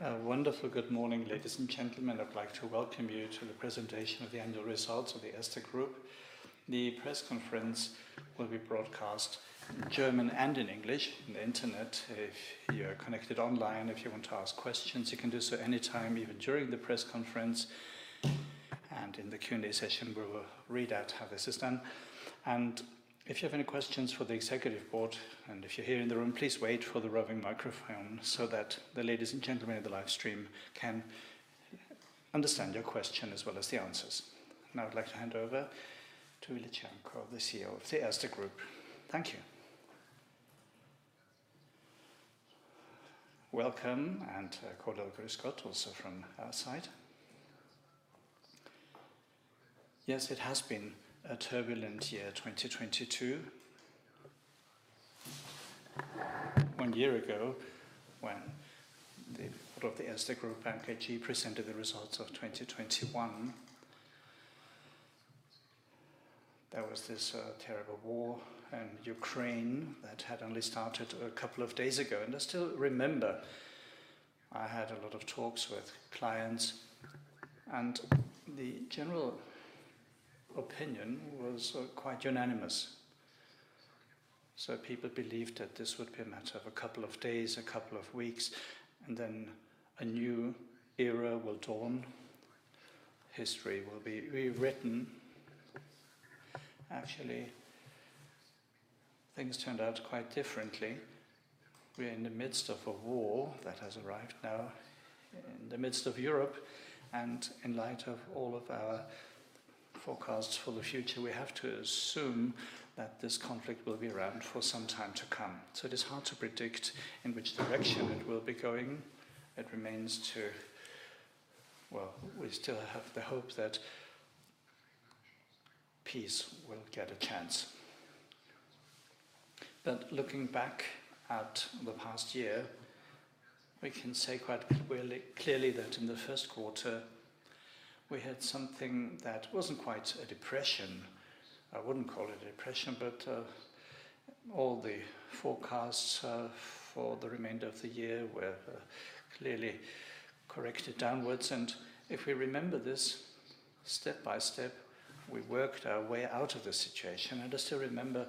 A wonderful good morning, ladies and gentlemen. I'd like to welcome you to the presentation of the annual results of the Erste Group. The press conference will be broadcast in German and in English on the Internet. If you are connected online, if you want to ask questions, you can do so anytime, even during the press conference and in the Q&A session, we will read out how this is done. If you have any questions for the executive board, and if you're here in the room, please wait for the roving microphone so that the ladies and gentlemen of the live stream can understand your question as well as the answers. Now I'd like to hand over to Willi Cernko, the CEO of the Erste Group. Thank you. Welcome. Cordula Gursch, also from our side. It has been a turbulent year, 2022. One year ago, when the board of the Erste Group, MKG, presented the results of 2021, there was this terrible war in Ukraine that had only started a couple of days ago. I still remember I had a lot of talks with clients, and the general opinion was quite unanimous. People believed that this would be a matter of a couple of days, a couple of weeks, and then a new era will dawn. History will be rewritten. Actually, things turned out quite differently. We're in the midst of a war that has arrived now in the midst of Europe, in light of all of our forecasts for the future, we have to assume that this conflict will be around for some time to come. It is hard to predict in which direction it will be going. It remains to... Well, we still have the hope that peace will get a chance. Looking back at the past year, we can say quite clearly that in the Q1, we had something that wasn't quite a depression. I wouldn't call it a depression, but all the forecasts for the remainder of the year were clearly corrected downwards. If we remember this step by step, we worked our way out of the situation. I still remember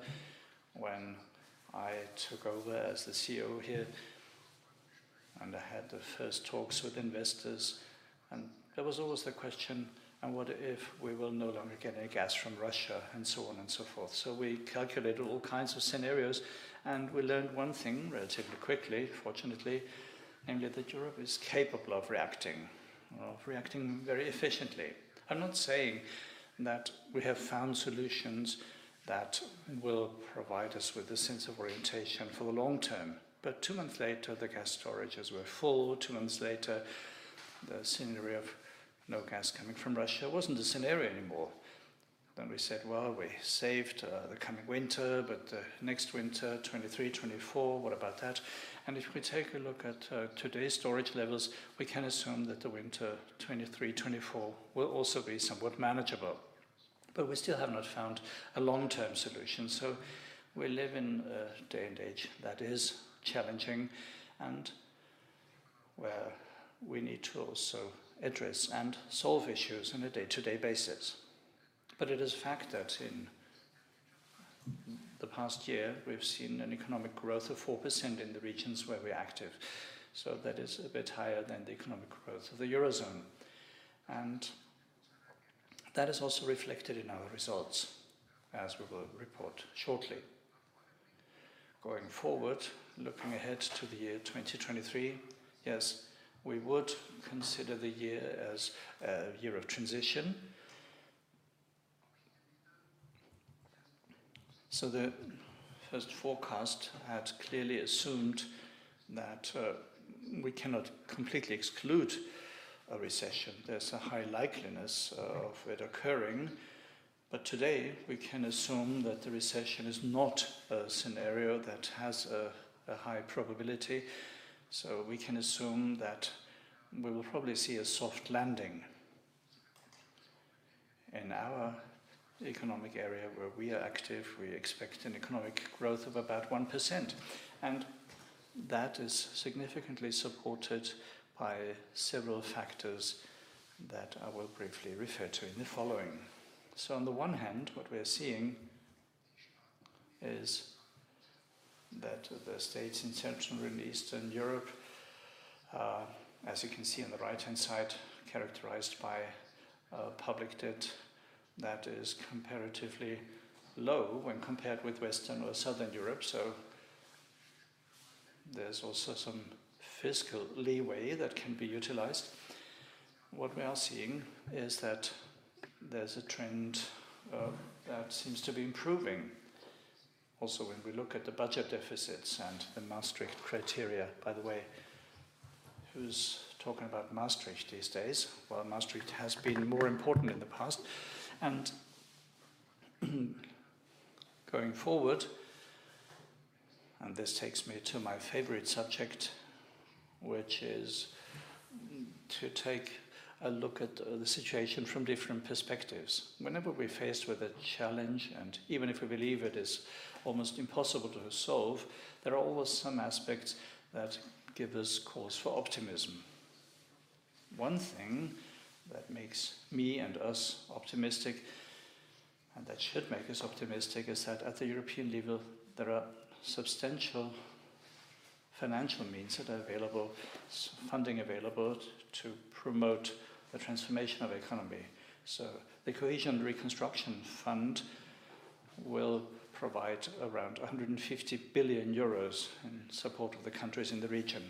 when I took over as the CEO here, and I had the first talks with investors, and there was always the question, "And what if we will no longer get any gas from Russia?" On and so forth. We calculated all kinds of scenarios, and we learned one thing relatively quickly, fortunately, namely that Europe is capable of reacting, of reacting very efficiently. I'm not saying that we have found solutions that will provide us with a sense of orientation for the long term. But two months later, the gas storages were full. Two months later, the scenario of no gas coming from Russia wasn't a scenario anymore. We said, "Well, we saved the coming winter, but next winter, 2023, 2024, what about that?" If we take a look at today's storage levels, we can assume that the winter 2023, 2024 will also be somewhat manageable. We still have not found a long-term solution. We live in a day and age that is challenging and where we need to also address and solve issues on a day-to-day basis. It is a fact that in the past year, we've seen an economic growth of 4% in the regions where we're active. That is a bit higher than the economic growth of the Eurozone. That is also reflected in our results, as we will report shortly. Going forward, looking ahead to the year 2023, yes, we would consider the year as a year of transition. The first forecast had clearly assumed that we cannot completely exclude a recession. There's a high likeliness of it occurring. Today, we can assume that the recession is not a scenario that has a high probability. We can assume that we will probably see a soft landing. In our economic area where we are active, we expect an economic growth of about 1%, and that is significantly supported by several factors that I will briefly refer to in the following. On the one hand, what we are seeing is that the states in Central and Eastern Europe, as you can see on the right-hand side, characterized by public debt that is comparatively low when compared with Western or Southern Europe. There's also some fiscal leeway that can be utilized. What we are seeing is that there's a trend that seems to be improving. Also, when we look at the budget deficits and the Maastricht criteria, by the way, who's talking about Maastricht these days? Well, Maastricht has been more important in the past. Going forward, and this takes me to my favorite subject, which is, to take a look at the situation from different perspectives. Whenever we're faced with a challenge, and even if we believe it is almost impossible to solve, there are always some aspects that give us cause for optimism. One thing that makes me and us optimistic, and that should make us optimistic, is that at the European level, there are substantial financial means that are available, funding available to promote the transformation of economy. The Cohesion and Reconstruction Fund will provide around 150 billion euros in support of the countries in the region.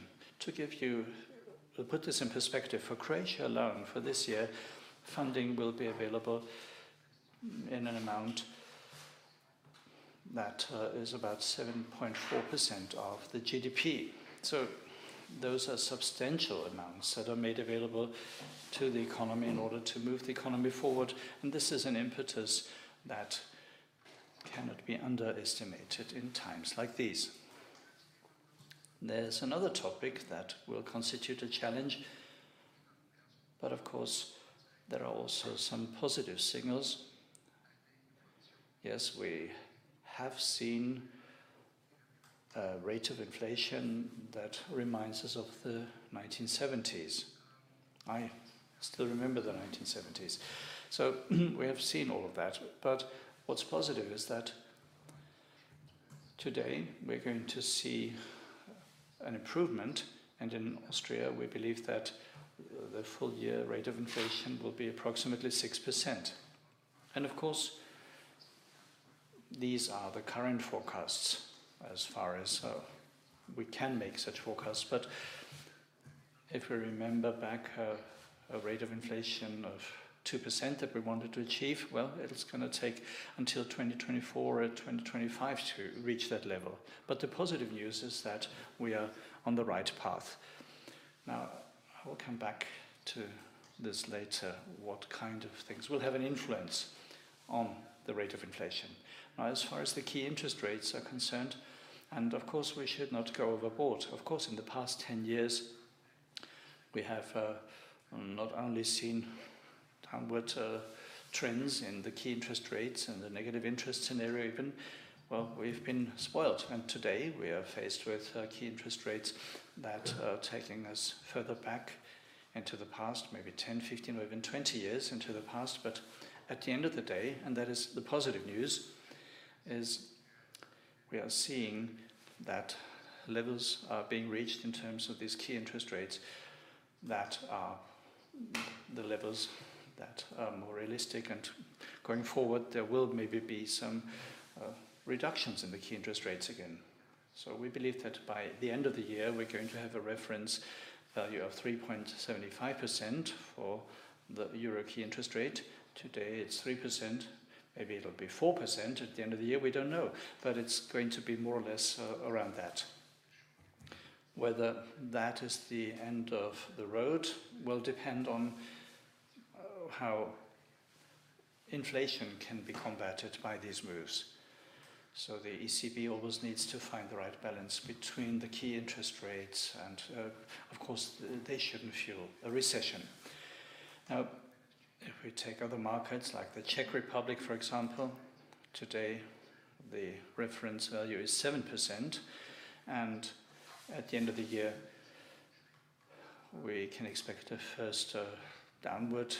To put this in perspective, for Croatia alone, for this year, funding will be available in an amount that is about 7.4% of the GDP. Those are substantial amounts that are made available to the economy in order to move the economy forward, and this is an impetus that cannot be underestimated in times like these. There's another topic that will constitute a challenge, but of course, there are also some positive signals. Yes, we have seen a rate of inflation that reminds us of the 1970s. I still remember the 1970s. We have seen all of that. What's positive is that today we're going to see an improvement, and in Austria, we believe that the full year rate of inflation will be approximately 6%. Of course, these are the current forecasts as far as we can make such forecasts. If we remember back, a rate of inflation of 2% that we wanted to achieve, well, it is gonna take until 2024 or 2025 to reach that level. The positive news is that we are on the right path. Now, I will come back to this later, what kind of things will have an influence on the rate of inflation. As far as the key interest rates are concerned, we should not go overboard. In the past 10 years, we have not only seen downward trends in the key interest rates and the negative interest scenario even. We've been spoiled, and today we are faced with key interest rates that are taking us further back into the past, maybe 10, 15, or even 20 years into the past. At the end of the day, and that is the positive news, is we are seeing that levels are being reached in terms of these key interest rates that are the levels that are more realistic. Going forward, there will maybe be some reductions in the key interest rates again. We believe that by the end of the year, we're going to have a reference value of 3.75% for the EUR key interest rate. Today it's 3%. Maybe it'll be 4% at the end of the year. We don't know. It's going to be more or less around that. Whether that is the end of the road will depend on how inflation can be combated by these moves. The ECB always needs to find the right balance between the key interest rates and, of course, they shouldn't fuel a recession. If we take other markets like the Czech Republic, for example, today the reference value is 7%, and at the end of the year, we can expect a first downward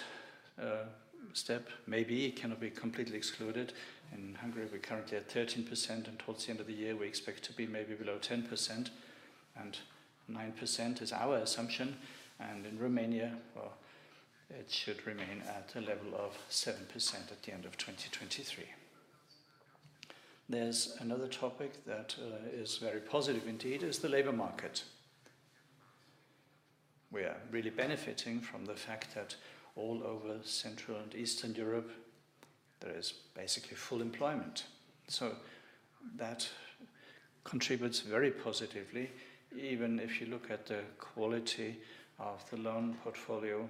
step, maybe. It cannot be completely excluded. In Hungary, we're currently at 13%, towards the end of the year, we expect to be maybe below 10%, and 9% is our assumption. In Romania, well, it should remain at a level of 7% at the end of 2023. There's another topic that is very positive indeed, is the labor market. That contributes very positively, even if you look at the quality of the loan portfolio,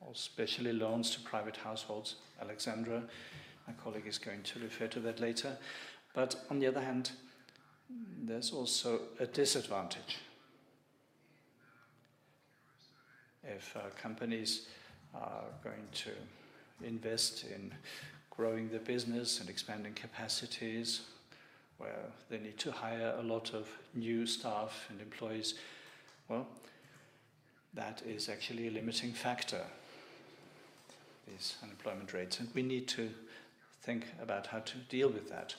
or especially loans to private households. Alexandra, my colleague, is going to refer to that later. On the other hand, there's also a disadvantage. If companies are going to invest in growing their business and expanding capacities, well, they need to hire a lot of new staff and employees. Well, that is actually a limiting factor, is unemployment rates, and we need to think about how to deal with that.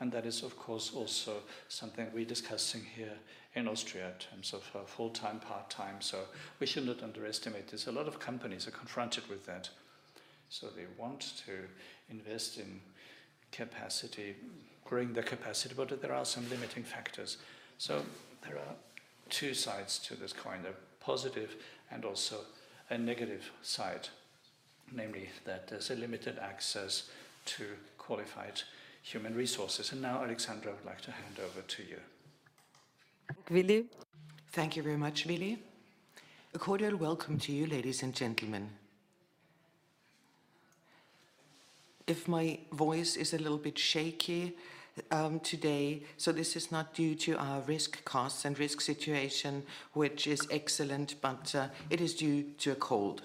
That is, of course, also something we're discussing here in Austria in terms of, full-time, part-time. We should not underestimate this. A lot of companies are confronted with that. They want to invest in capacity, growing their capacity, but there are some limiting factors. There are two sides to this coin, a positive and also a negative side. Namely, that there's a limited access to qualified human resources. Now, Alexandra, I would like to hand over to you. Thank you very much, Willi. A cordial welcome to you, ladies and gentlemen. If my voice is a little bit shaky today, this is not due to our risk costs and risk situation, which is excellent, but it is due to a cold.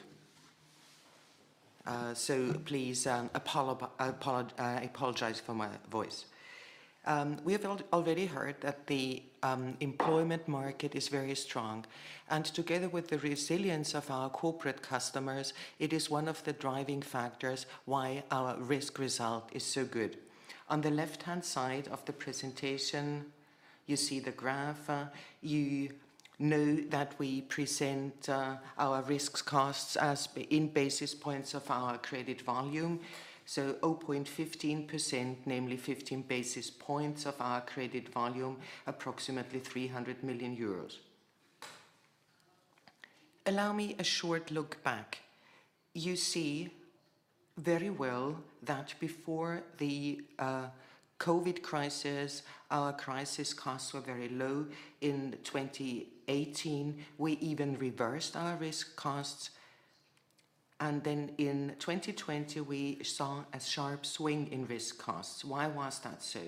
Please, I apologize for my voice. We have already heard that the employment market is very strong, and together with the resilience of our corporate customers, it is one of the driving factors why our risk result is so good. On the left-hand side of the presentation, you see the graph. You know that we present our risks costs as in basis points of our credit volume, 0.15%, namely 15 basis points of our credit volume, approximately 300 million euros. Allow me a short look back. You see very well that before the COVID crisis, our crisis costs were very low. In 2018, we even reversed our risk costs. Then in 2020, we saw a sharp swing in risk costs. Why was that so?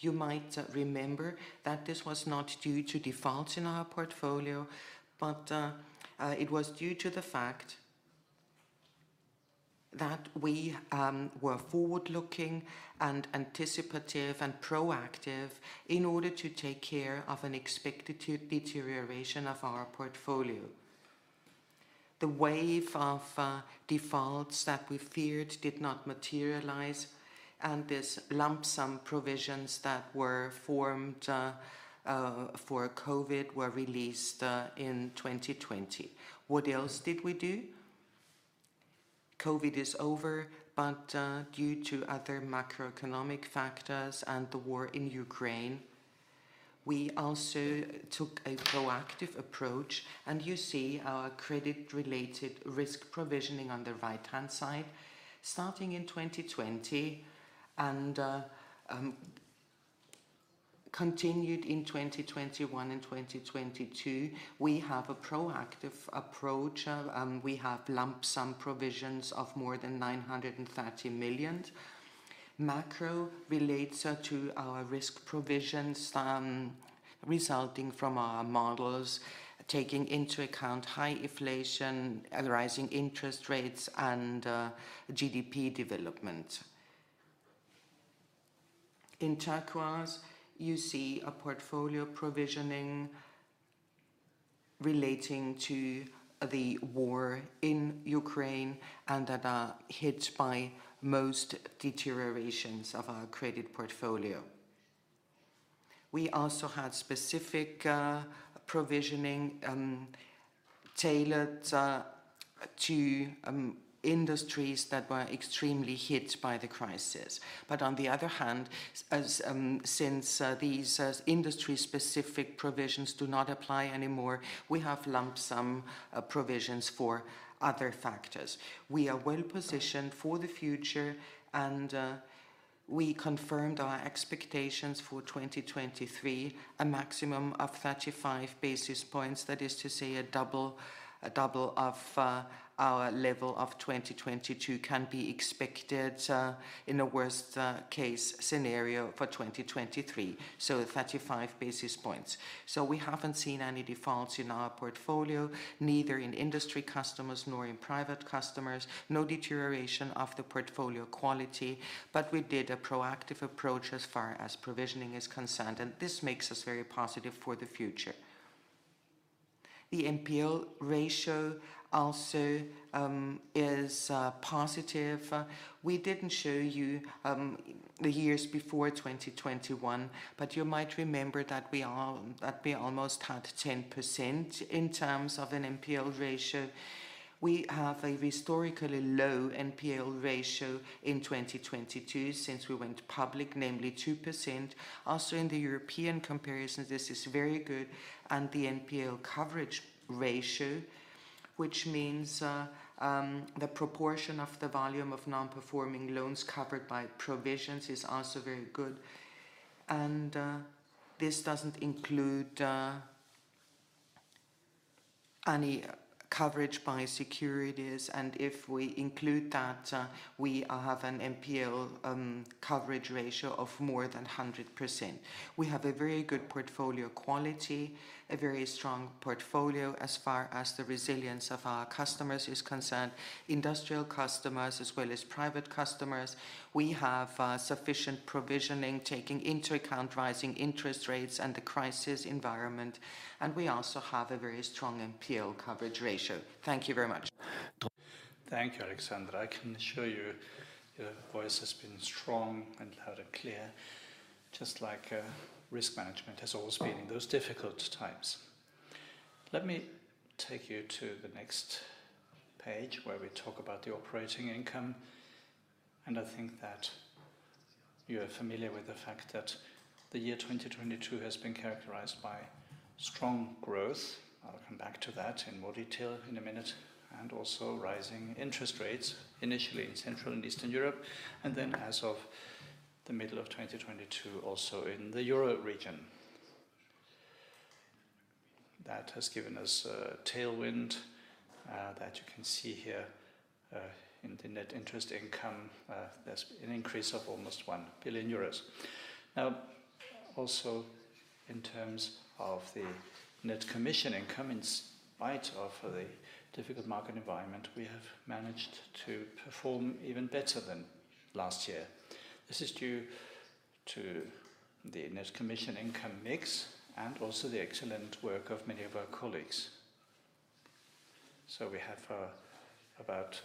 You might remember that this was not due to defaults in our portfolio, but it was due to the fact that we were forward-looking and anticipative and proactive in order to take care of an expected de-deterioration of our portfolio. The wave of defaults that we feared did not materialize, and these lump sum provisions that were formed for COVID were released in 2020. What else did we do? COVID is over. Due to other macroeconomic factors and the war in Ukraine, we also took a proactive approach. You see our credit-related risk provisioning on the right-hand side. Starting in 2020 and continued in 2021 and 2022, we have a proactive approach. We have lump sum provisions of more than 930 million. Macro relates to our risk provisions, resulting from our models taking into account high inflation and rising interest rates and GDP development. In turquoise, you see a portfolio provisioning relating to the war in Ukraine. That are hit by most deteriorations of our credit portfolio. We also had specific provisioning, tailored to industries that were extremely hit by the crisis. On the other hand, since these industry-specific provisions do not apply anymore, we have lump sum provisions for other factors. We are well-positioned for the future, we confirmed our expectations for 2023, a maximum of 35 basis points. That is to say a double of our level of 2022 can be expected in a worst case scenario for 2023, so 35 basis points. We haven't seen any defaults in our portfolio, neither in industry customers nor in private customers, no deterioration of the portfolio quality, but we did a proactive approach as far as provisioning is concerned, and this makes us very positive for the future. The NPL ratio also is positive. We didn't show you the years before 2021, but you might remember that we almost had 10% in terms of an NPL ratio. We have a historically low NPL ratio in 2022 since we went public, namely 2%. Also in the European comparison, this is very good, and the NPL coverage ratio, which means the proportion of the volume of non-performing loans covered by provisions is also very good. This doesn't include any coverage by securities, and if we include that we have an NPL coverage ratio of more than 100%. We have a very good portfolio quality, a very strong portfolio as far as the resilience of our customers is concerned, industrial customers as well as private customers. We have sufficient provisioning taking into account rising interest rates and the crisis environment, and we also have a very strong NPL coverage ratio. Thank you very much. Thank you, Alexandra. I can assure you your voice has been strong and loud and clear, just like risk management has always been in those difficult times. Let me take you to the next page where we talk about the operating income. I think that you are familiar with the fact that the year 2022 has been characterized by strong growth, I'll come back to that in more detail in a minute, and also rising interest rates, initially in Central and Eastern Europe, and then as of the middle of 2022, also in the Euro region. That has given us a tailwind that you can see here in the net interest income. There's an increase of almost 1 billion euros. Also in terms of the net commission income, in spite of the difficult market environment, we have managed to perform even better than last year. This is due to the net commission income mix and also the excellent work of many of our colleagues. We have about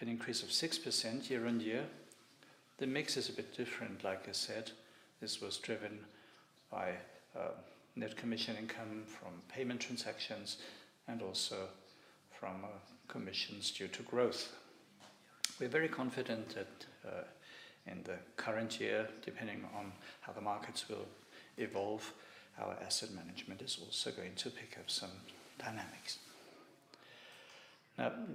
an increase of 6% year-on-year. The mix is a bit different, like I said. This was driven by net commission income from payment transactions and also from commissions due to growth. We're very confident that in the current year, depending on how the markets will evolve, our asset management is also going to pick up some dynamics.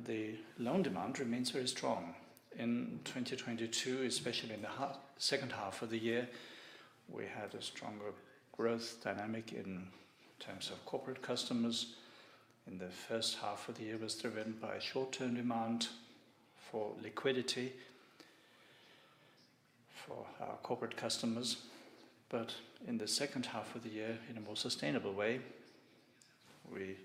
The loan demand remains very strong. In 2022, especially in the second half of the year, we had a stronger growth dynamic in terms of corporate customers. In the first half of the year, it was driven by short-term demand for liquidity for our corporate customers. In the second half of the year, in a more sustainable way, we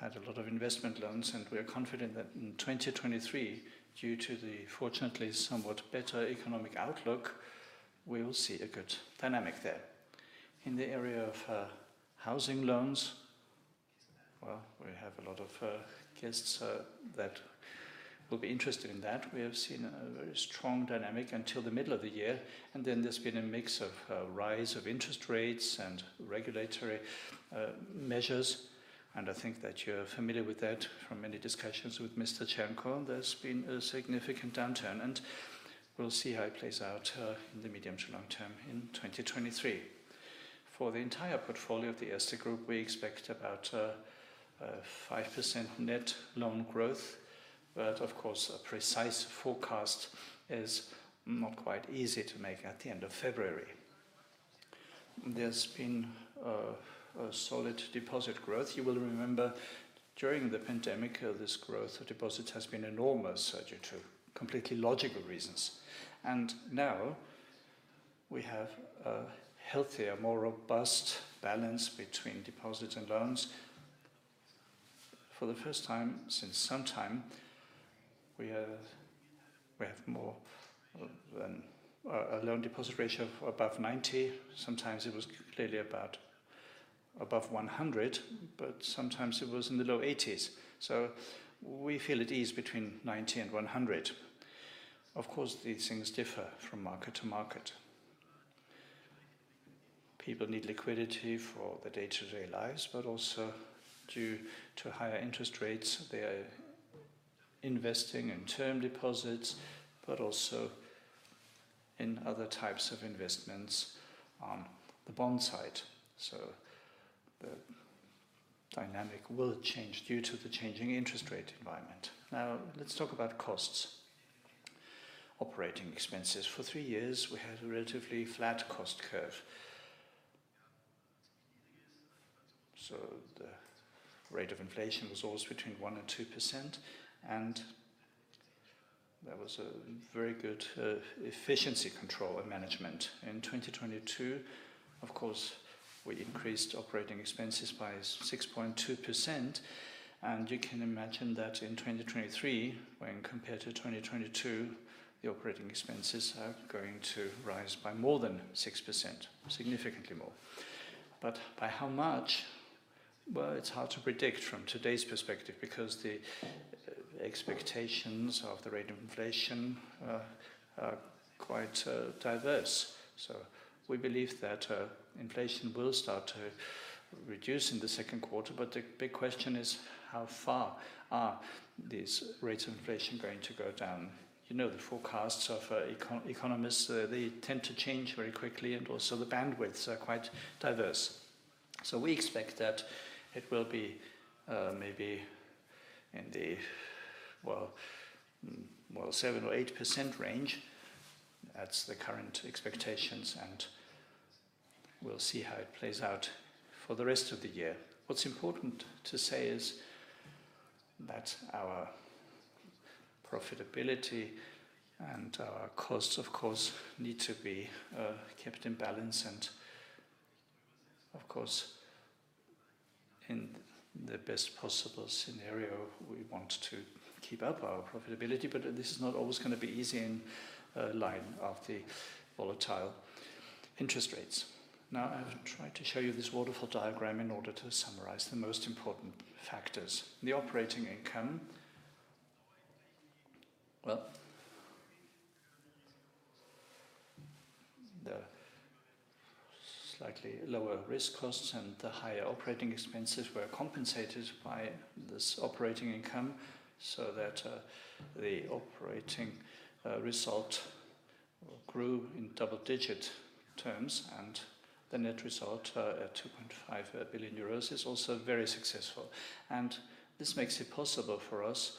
had a lot of investment loans, and we are confident that in 2023, due to the fortunately somewhat better economic outlook, we will see a good dynamic there. In the area of housing loans, well, we have a lot of guests that will be interested in that. We have seen a very strong dynamic until the middle of the year, and then there's been a mix of rise of interest rates and regulatory measures, and I think that you're familiar with that from many discussions with Mr. Cernko. There's been a significant downturn, and we'll see how it plays out in the medium to long term in 2023. For the entire portfolio of the Erste Group, we expect about a 5% net loan growth. Of course, a precise forecast is not quite easy to make at the end of February. There's been a solid deposit growth. You will remember during the pandemic, this growth of deposits has been enormous due to completely logical reasons. Now we have a healthier, more robust balance between deposits and loans. For the first time since some time, we have more than a loan deposit ratio of above 90. Sometimes it was clearly about above 100, sometimes it was in the low 80s. We feel at ease between 90 and 100. Of course, these things differ from market to market. People need liquidity for their day-to-day lives, but also due to higher interest rates, they are investing in term deposits, but also in other types of investments on the bond side. The dynamic will change due to the changing interest rate environment. Now let's talk about costs. Operating expenses. For three years, we had a relatively flat cost curve. The rate of inflation was always between 1% and 2%, and there was a very good efficiency control and management. In 2022, of course, we increased operating expenses by 6.2%, and you can imagine that in 2023, when compared to 2022, the operating expenses are going to rise by more than 6%, significantly more. By how much? Well, it's hard to predict from today's perspective because the expectations of the rate of inflation are quite diverse. We believe that inflation will start to reduce in the Q2, but the big question is, how far are these rates of inflation going to go down? You know, the forecasts of economists, they tend to change very quickly, and also the bandwidths are quite diverse. We expect that it will be maybe in the 7% or 8% range. That's the current expectations, and we'll see how it plays out for the rest of the year. What's important to say is that our profitability and our costs, of course, need to be kept in balance and, of course, in the best possible scenario, we want to keep up our profitability. This is not always gonna be easy in line of the volatile interest rates. I will try to show you this waterfall diagram in order to summarize the most important factors. The operating income, well, the slightly lower risk costs and the higher operating expenses were compensated by this operating income so that the operating result grew in double-digit terms, and the net result at 2.5 billion euros is also very successful. This makes it possible for us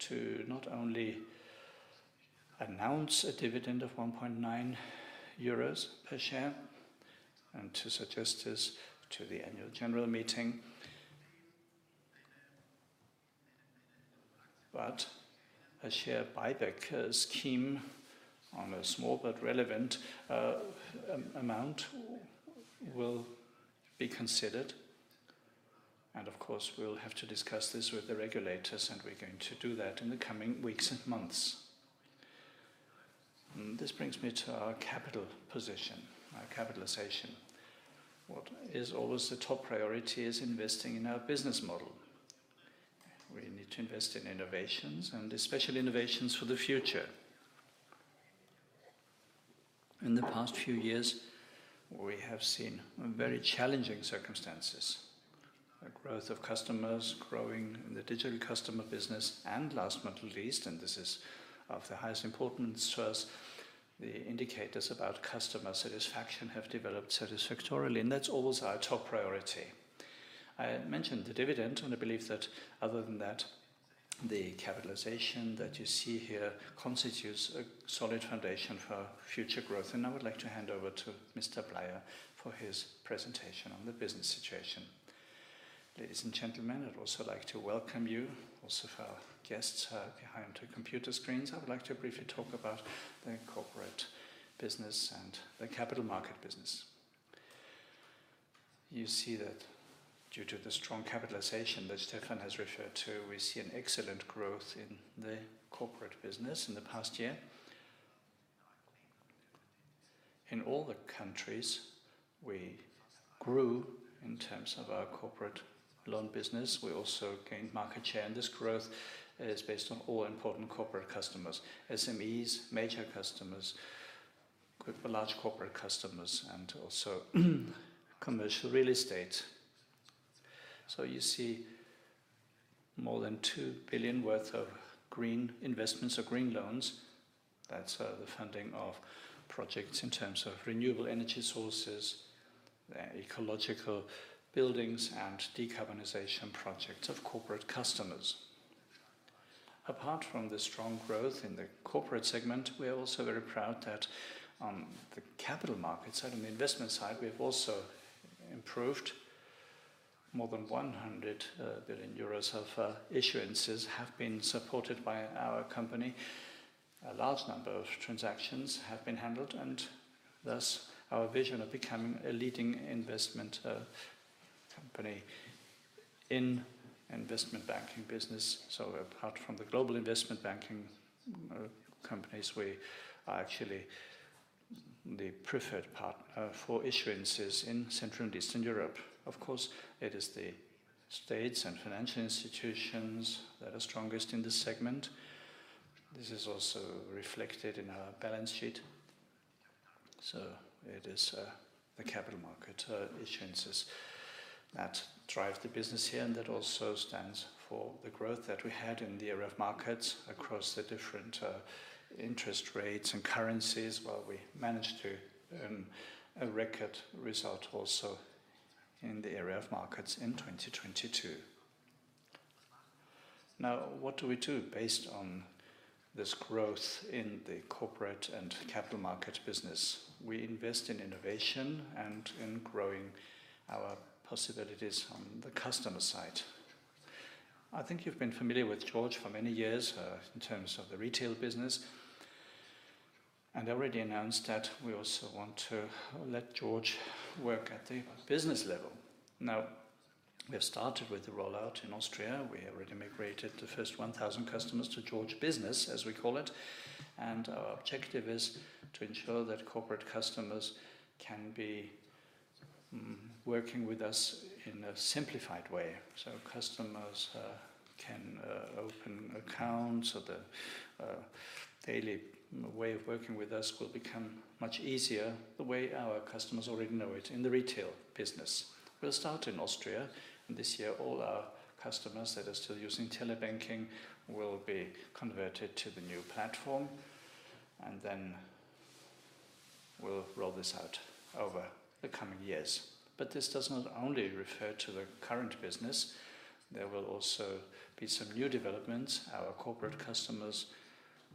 to not only announce a dividend of 1.9 euros per share, and to suggest this to the annual general meeting. A share buyback scheme on a small but relevant amount will be considered, and of course we'll have to discuss this with the regulators, and we're going to do that in the coming weeks and months. This brings me to our capital position, our capitalization. What is always the top priority is investing in our business model. We need to invest in innovations and especially innovations for the future. In the past few years, we have seen very challenging circumstances. A growth of customers growing in the digital customer business, and last but not least, and this is of the highest importance to us, the indicators about customer satisfaction have developed satisfactorily, and that's always our top priority. I mentioned the dividend, and I believe that other than that, the capitalization that you see here constitutes a solid foundation for future growth. I would like to hand over to Mr. Bleier for his presentation on the business situation. Ladies and gentlemen, I'd also like to welcome you, also for our guests behind the computer screens. I would like to briefly talk about the corporate business and the capital market business. You see that due to the strong capitalization that Stefan has referred to, we see an excellent growth in the corporate business in the past year. In all the countries, we grew in terms of our corporate loan business. We also gained market share. This growth is based on all important corporate customers, SMEs, major customers, good for large corporate customers, and also commercial real estate. You see more than 2 billion worth of green investments or green loans. That's the funding of projects in terms of renewable energy sources, ecological buildings and decarbonization projects of corporate customers. Apart from the strong growth in the corporate segment, we are also very proud that on the capital markets and on the investment side, we've also improved. More than 100 billion euros of issuances have been supported by our company. A large number of transactions have been handled, and thus our vision of becoming a leading investment company in investment banking business. Apart from the global investment banking companies, we are actually the preferred partner for issuances in Central and Eastern Europe. Of course, it is the states and financial institutions that are strongest in this segment. This is also reflected in our balance sheet. It is the capital market issuances that drive the business here, and that also stands for the growth that we had in the area of markets across the different interest rates and currencies, while we managed to earn a record result also in the area of markets in 2022. What do we do based on this growth in the corporate and capital market business? We invest in innovation and in growing our possibilities on the customer side. I think you've been familiar with George for many years, in terms of the retail business, and already announced that we also want to let George work at the business level. Now, we have started with the rollout in Austria. We have already migrated the first 1,000 customers to George Business, as we call it. Our objective is to ensure that corporate customers can be working with us in a simplified way, so customers can open accounts or the daily way of working with us will become much easier the way our customers already know it in the retail business. We'll start in Austria. This year all our customers that are still using Telebanking will be converted to the new platform. We'll roll this out over the coming years. This does not only refer to the current business. There will also be some new developments. Our corporate customers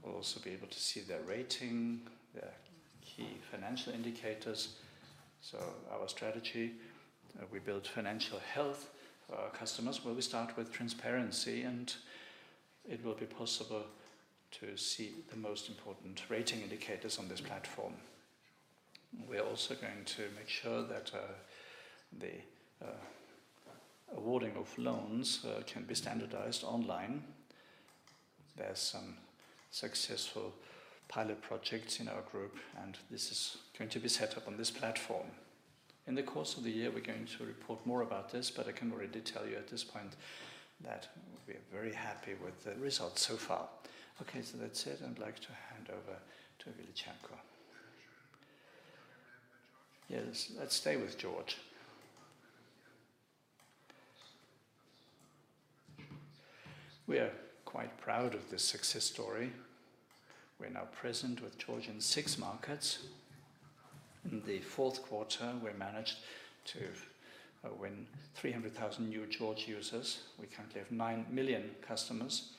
will also be able to see their rating, their key financial indicators. Our strategy, we build financial health for our customers where we start with transparency. It will be possible to see the most important rating indicators on this platform. We are also going to make sure that the awarding of loans can be standardized online. There's some successful pilot projects in our group. This is going to be set up on this platform. In the course of the year, we're going to report more about this, but I can already tell you at this point that we are very happy with the results so far. Okay. That's it. I'd like to hand over to Willi Cernko. Let's stay with George. We are quite proud of this success story. We are now present with George in six markets. In the Q4, we managed to win 300,000 new George users. We currently have 9 million customers.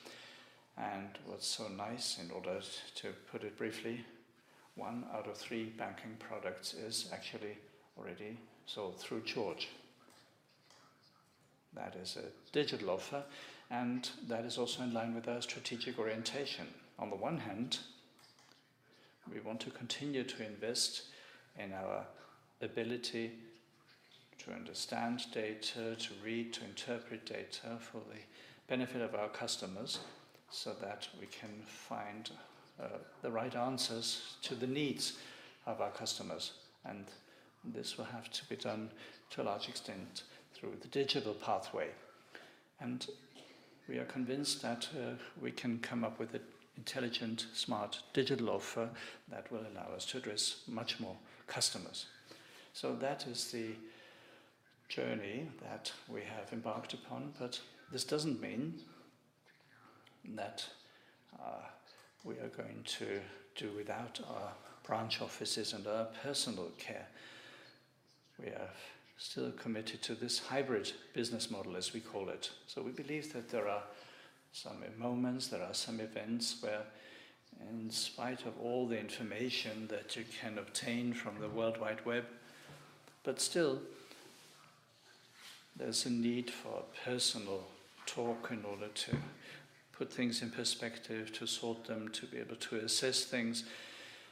What's so nice, in order to put it briefly, one out of three banking products is actually already sold through George. That is a digital offer, and that is also in line with our strategic orientation. On the one hand, we want to continue to invest in our ability to understand data, to read, to interpret data for the benefit of our customers so that we can find the right answers to the needs of our customers. This will have to be done to a large extent through the digital pathway. We are convinced that we can come up with an intelligent, smart digital offer that will allow us to address much more customers. That is the journey that we have embarked upon, this doesn't mean that we are going to do without our branch offices and our personal care. We are still committed to this hybrid business model, as we call it. We believe that there are some moments, there are some events where in spite of all the information that you can obtain from the World Wide Web, but still there's a need for personal talk in order to put things in perspective, to sort them, to be able to assess things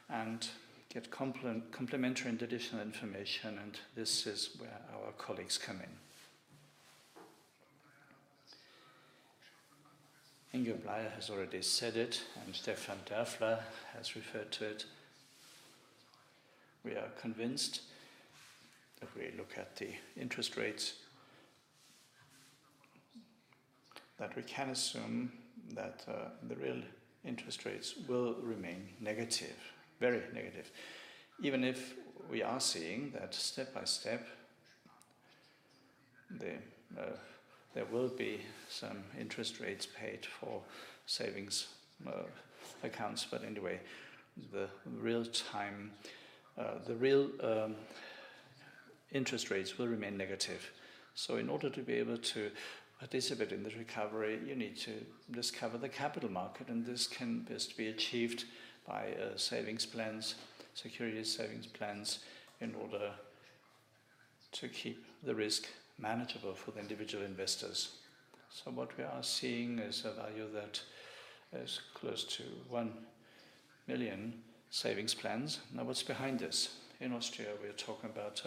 and get complementary and additional information, and this is where our colleagues come in. Ingo Bleier has already said it, and Stefan Dörfler has referred to it. We are convinced, if we look at the interest rates, that we can assume that the real interest rates will remain negative, very negative. Even if we are seeing that step by step, the there will be some interest rates paid for savings accounts. Anyway, the real time, the real interest rates will remain negative. In order to be able to participate in the recovery, you need to discover the capital market, and this can best be achieved by savings plans, security savings plans in order to keep the risk manageable for the individual investors. What we are seeing is a value that is close to 1 million savings plans. What's behind this? In Austria, we are talking about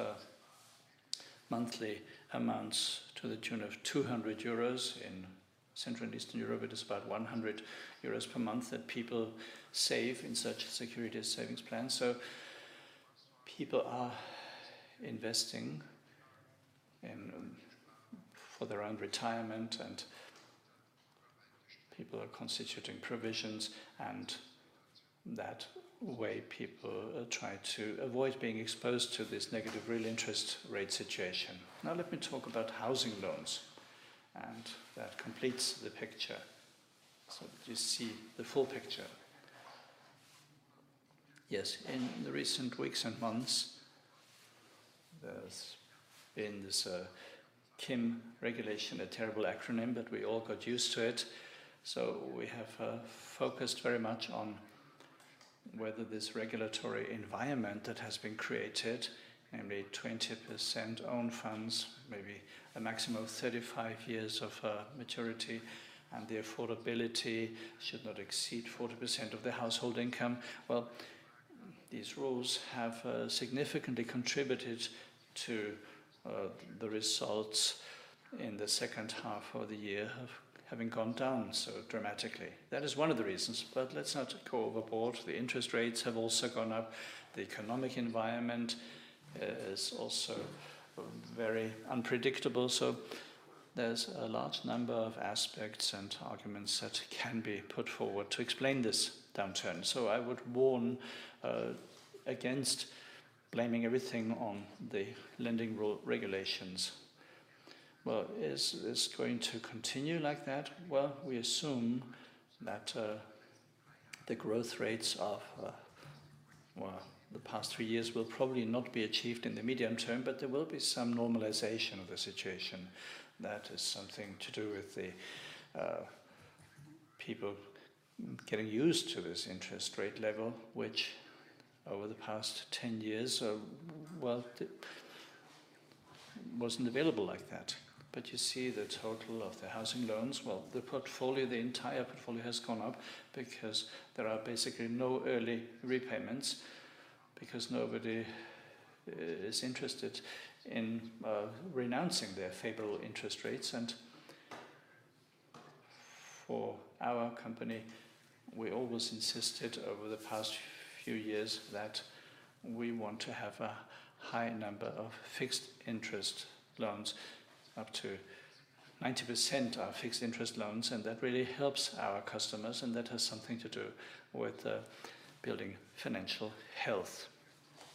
monthly amounts to the tune of 200 euros. In Central and Eastern Europe, it is about 100 euros per month that people save in such security savings plans. People are investing in for their own retirement, and people are constituting provisions, and that way people try to avoid being exposed to this negative real interest rate situation. Let me talk about housing loans, and that completes the picture. You see the full picture. In the recent weeks and months, there's been this KIM regulation, a terrible acronym, but we all got used to it. We have focused very much on whether this regulatory environment that has been created, namely 20% own funds, maybe a maximum of 35 years of maturity, and the affordability should not exceed 40% of the household income. These rules have significantly contributed to the results in the second half of the year of having gone down so dramatically. That is one of the reasons, but let's not go overboard. The interest rates have also gone up. The economic environment is also very unpredictable. There's a large number of aspects and arguments that can be put forward to explain this downturn. I would warn against blaming everything on the lending rule regulations. Is this going to continue like that? We assume that the growth rates of, well, the past three years will probably not be achieved in the medium term, but there will be some normalization of the situation. That has something to do with the people getting used to this interest rate level, which over the past 10 years, well, wasn't available like that. You see the total of the housing loans, well, the portfolio, the entire portfolio has gone up because there are basically no early repayments because nobody is interested in renouncing their favorable interest rates. For our company, we always insisted over the past few years that we want to have a high number of fixed interest loans, up to 90% are fixed interest loans, and that really helps our customers, and that has something to do with building financial health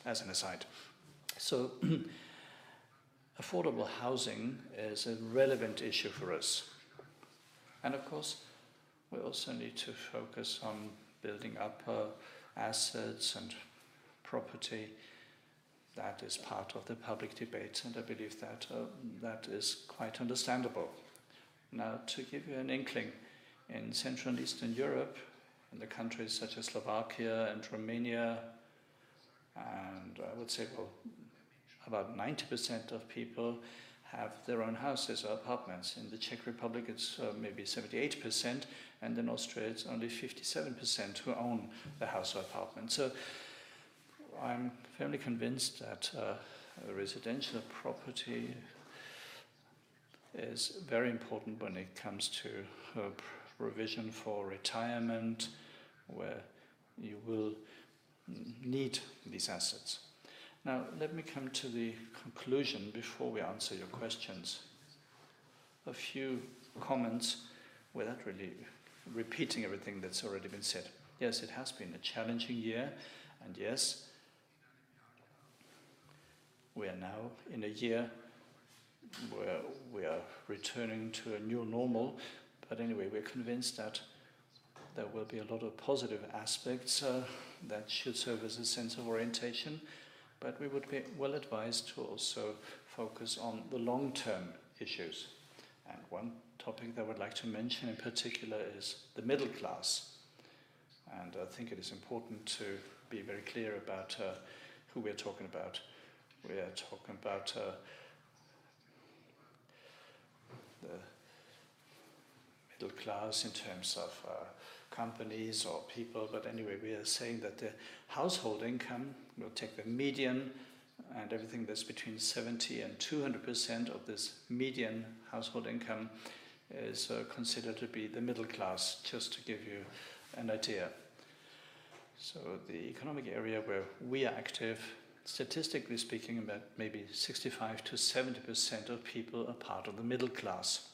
as an aside. Affordable housing is a relevant issue for us. Of course, we also need to focus on building up assets and property. That is part of the public debate, and I believe that that is quite understandable. To give you an inkling, in Central and Eastern Europe, in the countries such as Slovakia and Romania, and I would say, well, about 90% of people have their own houses or apartments. In the Czech Republic, it's maybe 78%, and in Austria, it's only 57% who own a house or apartment. I'm fairly convinced that residential property is very important when it comes to provision for retirement, where you will need these assets. Let me come to the conclusion before we answer your questions. A few comments without really repeating everything that's already been said. Yes, it has been a challenging year, and yes, we are now in a year where we are returning to a new normal. Anyway, we're convinced that there will be a lot of positive aspects that should serve as a sense of orientation. We would be well advised to also focus on the long-term issues. One topic that I would like to mention in particular is the middle class. I think it is important to be very clear about who we are talking about. We are talking about the middle class in terms of companies or people. We are saying that the household income, we'll take the median and everything that's between 70% and 200% of this median household income is considered to be the middle class, just to give you an idea. The economic area where we are active, statistically speaking, about maybe 65%-70% of people are part of the middle class.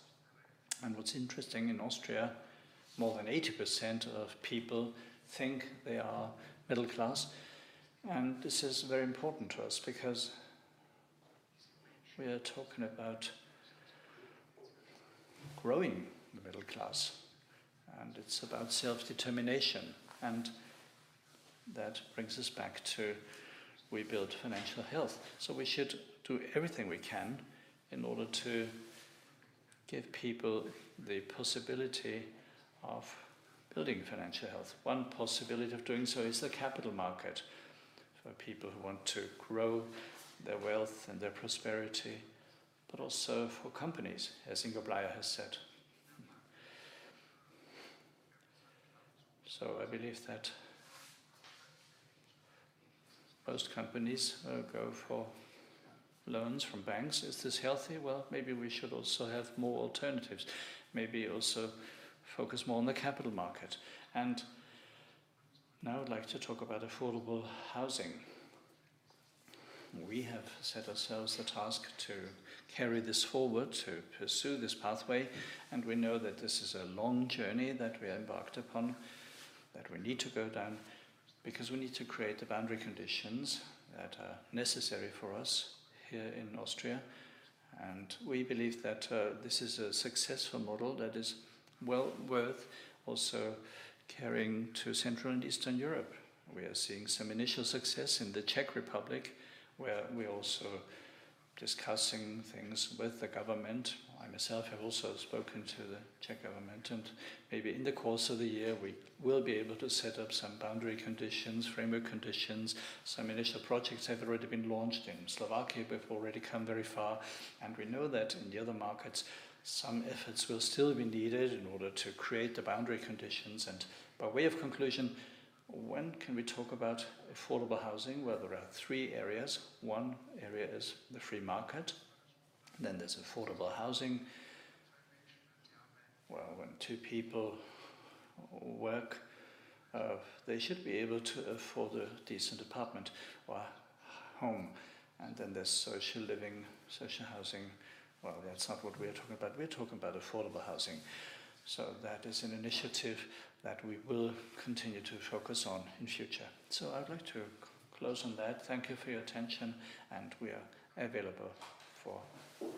What's interesting, in Austria, more than 80% of people think they are middle class. This is very important to us because we are talking about growing the middle class, and it's about self-determination. That brings us back to we build financial health. We should do everything we can in order to give people the possibility of building financial health. One possibility of doing so is the capital market for people who want to grow their wealth and their prosperity, but also for companies, as Ingo Bleier has said. I believe that most companies go for loans from banks. Is this healthy? Well, maybe we should also have more alternatives. Maybe also focus more on the capital market. Now I'd like to talk about affordable housing. We have set ourselves the task to carry this forward, to pursue this pathway, and we know that this is a long journey that we embarked upon, that we need to go down because we need to create the boundary conditions that are necessary for us here in Austria. We believe that this is a successful model that is well worth also carrying to Central and Eastern Europe. We are seeing some initial success in the Czech Republic, where we're also discussing things with the government. I myself have also spoken to the Czech government. Maybe in the course of the year, we will be able to set up some boundary conditions, framework conditions. Some initial projects have already been launched in Slovakia. We've already come very far. We know that in the other markets, some efforts will still be needed in order to create the boundary conditions. By way of conclusion, when can we talk about affordable housing? Well, there are three areas. One area is the free market. There's affordable housing. Well, when two people work, they should be able to afford a decent apartment or home. There's social living, social housing. Well, that's not what we are talking about. We're talking about affordable housing. That is an initiative that we will continue to focus on in future. I'd like to close on that. Thank you for your attention, and we are available for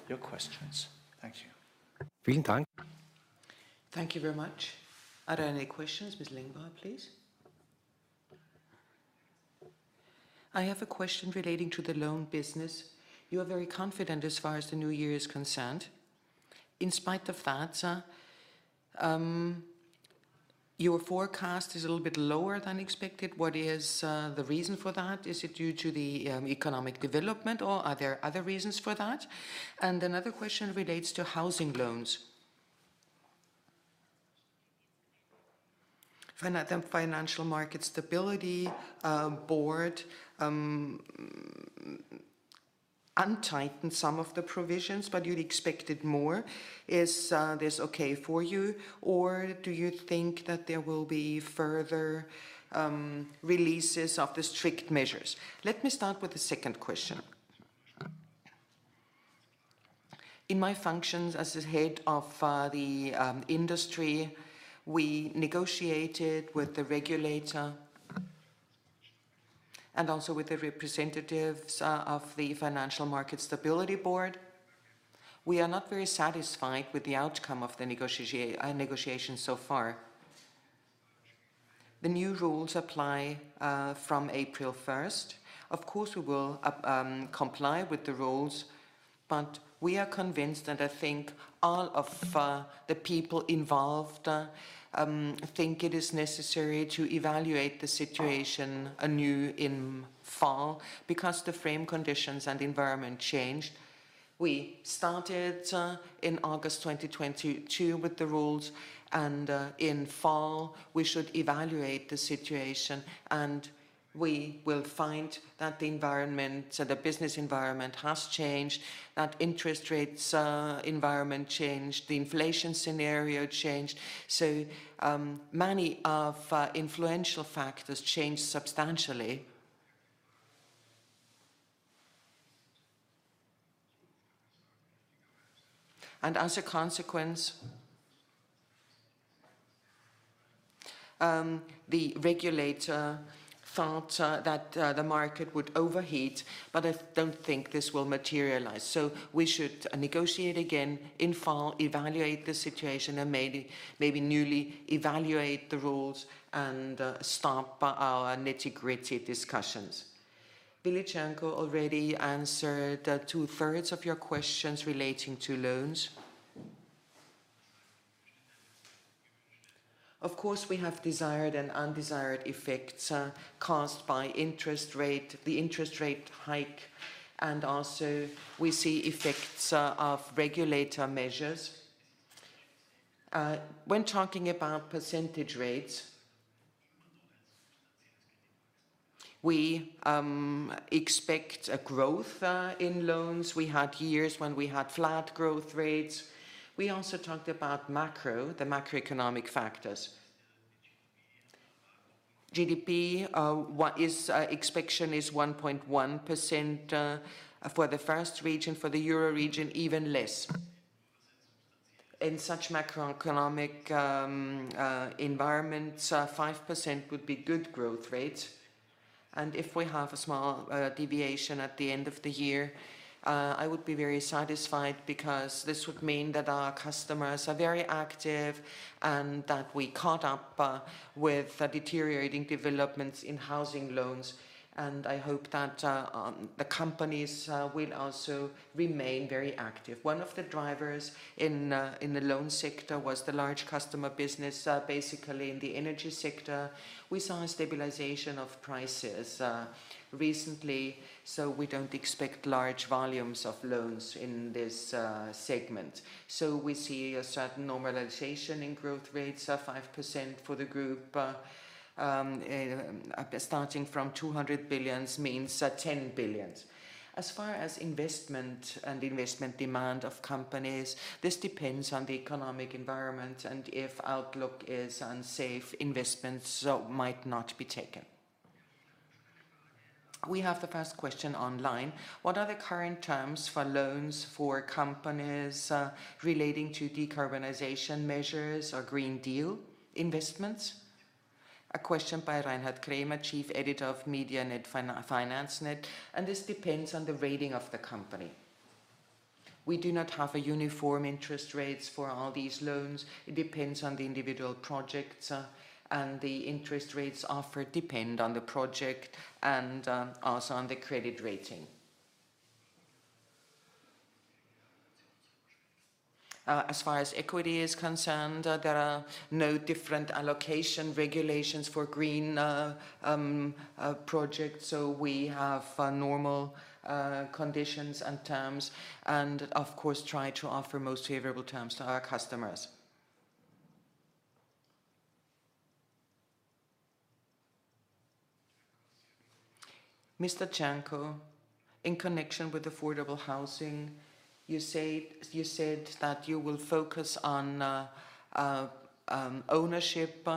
your questions. Thank you. Thank you very much. Are there any questions? Ms. Lingbar, please. I have a question relating to the loan business. You are very confident as far as the new year is concerned. In spite of that, your forecast is a little bit lower than expected. What is the reason for that? Is it due to the economic development, or are there other reasons for that? Another question relates to housing loans. For the Financial Market Stability Board untightened some of the provisions, but you'd expected more. Is this okay for you, or do you think that there will be further releases of the strict measures? Let me start with the second question. In my functions as the head of, the industry, we negotiated with the regulator. Also with the representatives of the Financial Market Stability Board. We are not very satisfied with the outcome of the negotiations so far. The new rules apply from April 1st. Of course, we will comply with the rules, but we are convinced, and I think all of the people involved think it is necessary to evaluate the situation anew in fall because the frame conditions and environment changed. We started in August 2022 with the rules, and in fall we should evaluate the situation, and we will find that the environment, so the business environment has changed, that interest rates environment changed, the inflation scenario changed. Many of influential factors changed substantially. As a consequence, the regulator thought that the market would overheat, but I don't think this will materialize. We should negotiate again in fall, evaluate the situation, and maybe newly evaluate the rules and start our nitty-gritty discussions. Willi Cernko already answered the two-thirds of your questions relating to loans. Of course, we have desired and undesired effects caused by interest rate, the interest rate hike, and also we see effects of regulator measures. When talking about percentage rates, we expect a growth in loans. We had years when we had flat growth rates. We also talked about the macroeconomic factors. GDP, what is expectation is 1.1% for the first region, for the Euro region even less. In such macroeconomic environments, 5% would be good growth rate. If we have a small deviation at the end of the year, I would be very satisfied because this would mean that our customers are very active and that we caught up with deteriorating developments in housing loans, and I hope that the companies will also remain very active. One of the drivers in the loan sector was the large customer business, basically in the energy sector. We saw a stabilization of prices recently. We don't expect large volumes of loans in this segment. We see a certain normalization in growth rates of 5% for the group, starting from 200 billion means 10 billion. As far as investment and investment demand of companies, this depends on the economic environment, if outlook is unsafe, investments might not be taken. We have the first question online. What are the current terms for loans for companies relating to decarbonization measures or Green Deal investments? A question by Reinhard Krémer, chief editor of medianet financenet. This depends on the rating of the company. We do not have uniform interest rates for all these loans. It depends on the individual projects, and the interest rates offered depend on the project and also on the credit rating. As far as equity is concerned, there are no different allocation regulations for green projects, so we have normal conditions and terms, and of course try to offer most favorable terms to our customers. Mr. Cernko, in connection with affordable housing, you said that you will focus on ownership.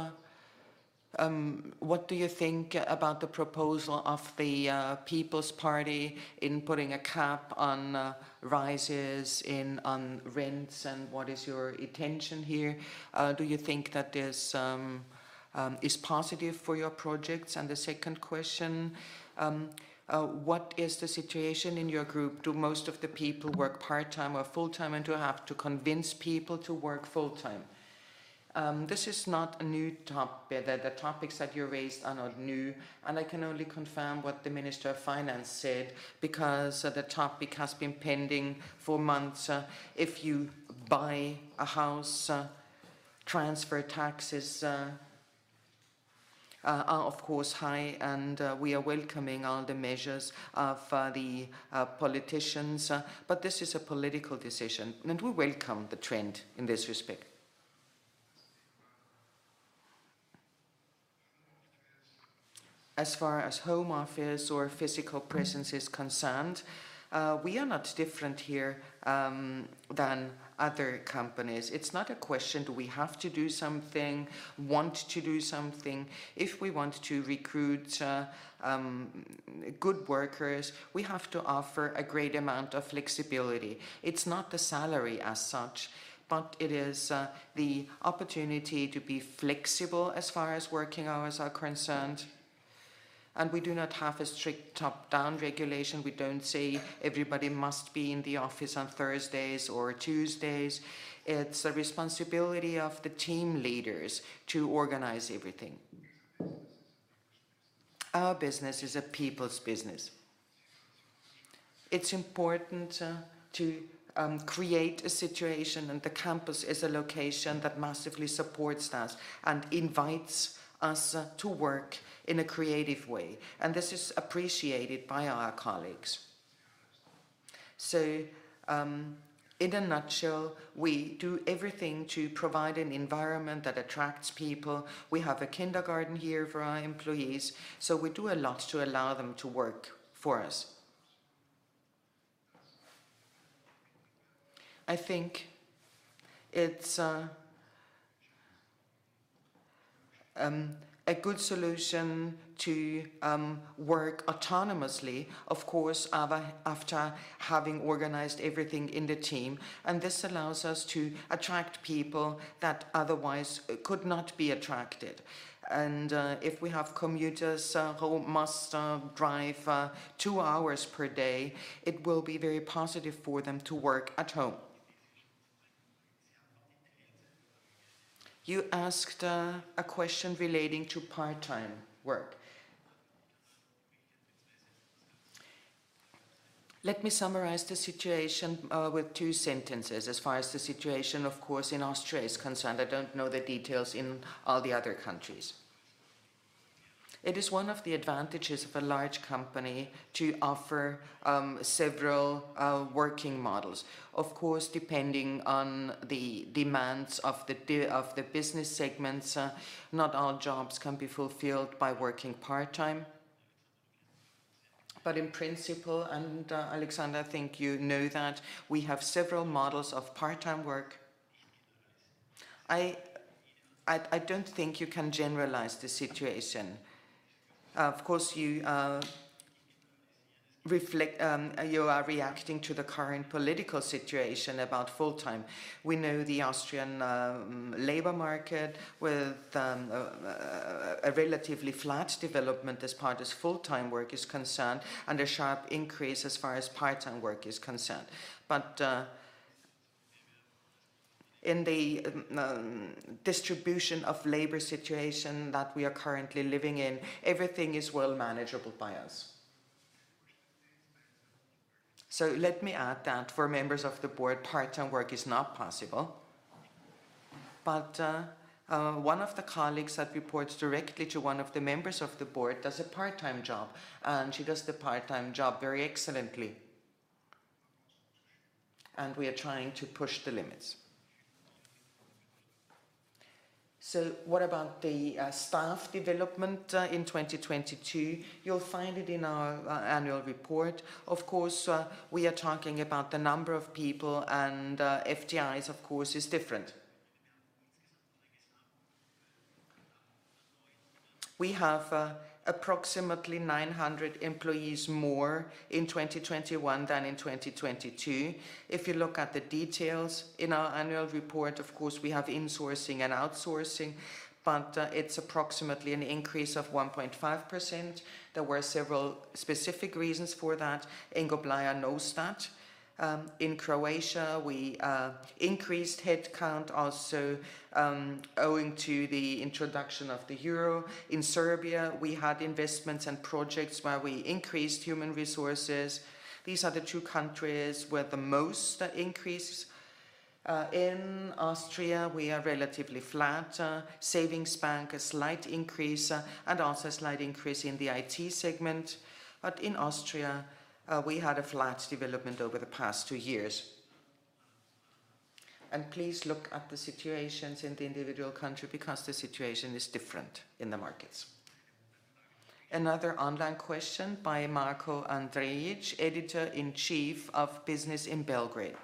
What do you think about the proposal of the People's Party in putting a cap on rises in, on rents, and what is your intention here? Do you think that this is positive for your projects? The second question, what is the situation in your group? Do most of the people work part-time or full-time, and do you have to convince people to work full-time? This is not a new topic. The topics that you raised are not new, and I can only confirm what the Minister of Finance said, because the topic has been pending for months. If you buy a house, transfer taxes are of course high, and we are welcoming all the measures of the politicians, but this is a political decision, and we welcome the trend in this respect. As far as home office or physical presence is concerned, we are not different here than other companies. It's not a question do we have to do something, want to do something. If we want to recruit good workers, we have to offer a great amount of flexibility. It's not the salary as such, but it is the opportunity to be flexible as far as working hours are concerned. We do not have a strict top-down regulation. We don't say everybody must be in the office on Thursdays or Tuesdays. It's a responsibility of the team leaders to organize everything. Our business is a people's business. It's important to create a situation, the campus is a location that massively supports us and invites us to work in a creative way, this is appreciated by our colleagues. In a nutshell, we do everything to provide an environment that attracts people. We have a kindergarten here for our employees, we do a lot to allow them to work for us. I think it's a good solution to work autonomously, of course, after having organized everything in the team, this allows us to attract people that otherwise could not be attracted. If we have commuters who must drive two hours per day, it will be very positive for them to work at home. You asked a question relating to part-time work. Let me summarize the situation with two sentences as far as the situation of course in Austria is concerned. I don't know the details in all the other countries. It is one of the advantages of a large company to offer several working models. Of course, depending on the demands of the business segments, not all jobs can be fulfilled by working part-time. But in principle, and, Alexander, I think you know that, we have several models of part-time work. I don't think you can generalize the situation. Of course, you reflect, you are reacting to the current political situation about full-time. We know the Austrian labor market with a relatively flat development as far as full-time work is concerned and a sharp increase as far as part-time work is concerned. In the distribution of labor situation that we are currently living in, everything is well manageable by us. Let me add that for members of the board, part-time work is not possible. One of the colleagues that reports directly to one of the members of the board does a part-time job, and she does the part-time job very excellently. We are trying to push the limits. What about the staff development in 2022? You'll find it in our annual report. Of course, we are talking about the number of people and FTEs of course is different. We have approximately 900 employees more in 2021 than in 2022. If you look at the details in our annual report, of course, we have insourcing and outsourcing, but it's approximately an increase of 1.5%. There were several specific reasons for that. Ingo Bleier knows that. In Croatia, we increased headcount also, owing to the introduction of the euro. In Serbia, we had investments and projects where we increased human resources. These are the two countries where the most increase. In Austria, we are relatively flat. Savings bank, a slight increase, and also a slight increase in the IT segment. In Austria, we had a flat development over the past two years. Please look at the situations in the individual country because the situation is different in the markets. Another online question by Marko Andrejić, editor-in-chief of Business in Belgrade.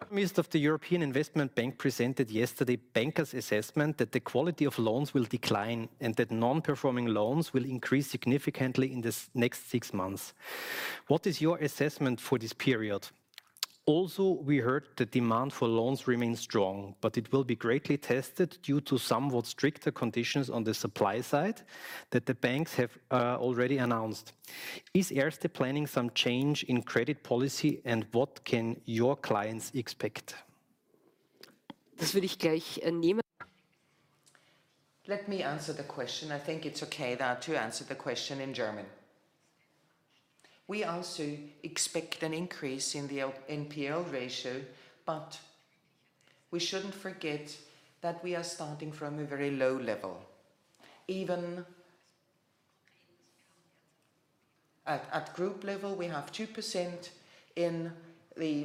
Economist of the European Investment Bank presented yesterday banker's assessment that the quality of loans will decline and that non-performing loans will increase significantly in this next 6 months. What is your assessment for this period? We heard the demand for loans remains strong, but it will be greatly tested due to somewhat stricter conditions on the supply side that the banks have already announced. Is Erste planning some change in credit policy, and what can your clients expect? Let me answer the question. I think it's okay now to answer the question in German. We also expect an increase in the NPL ratio, but we shouldn't forget that we are starting from a very low level. Even at group level, we have 2% in the...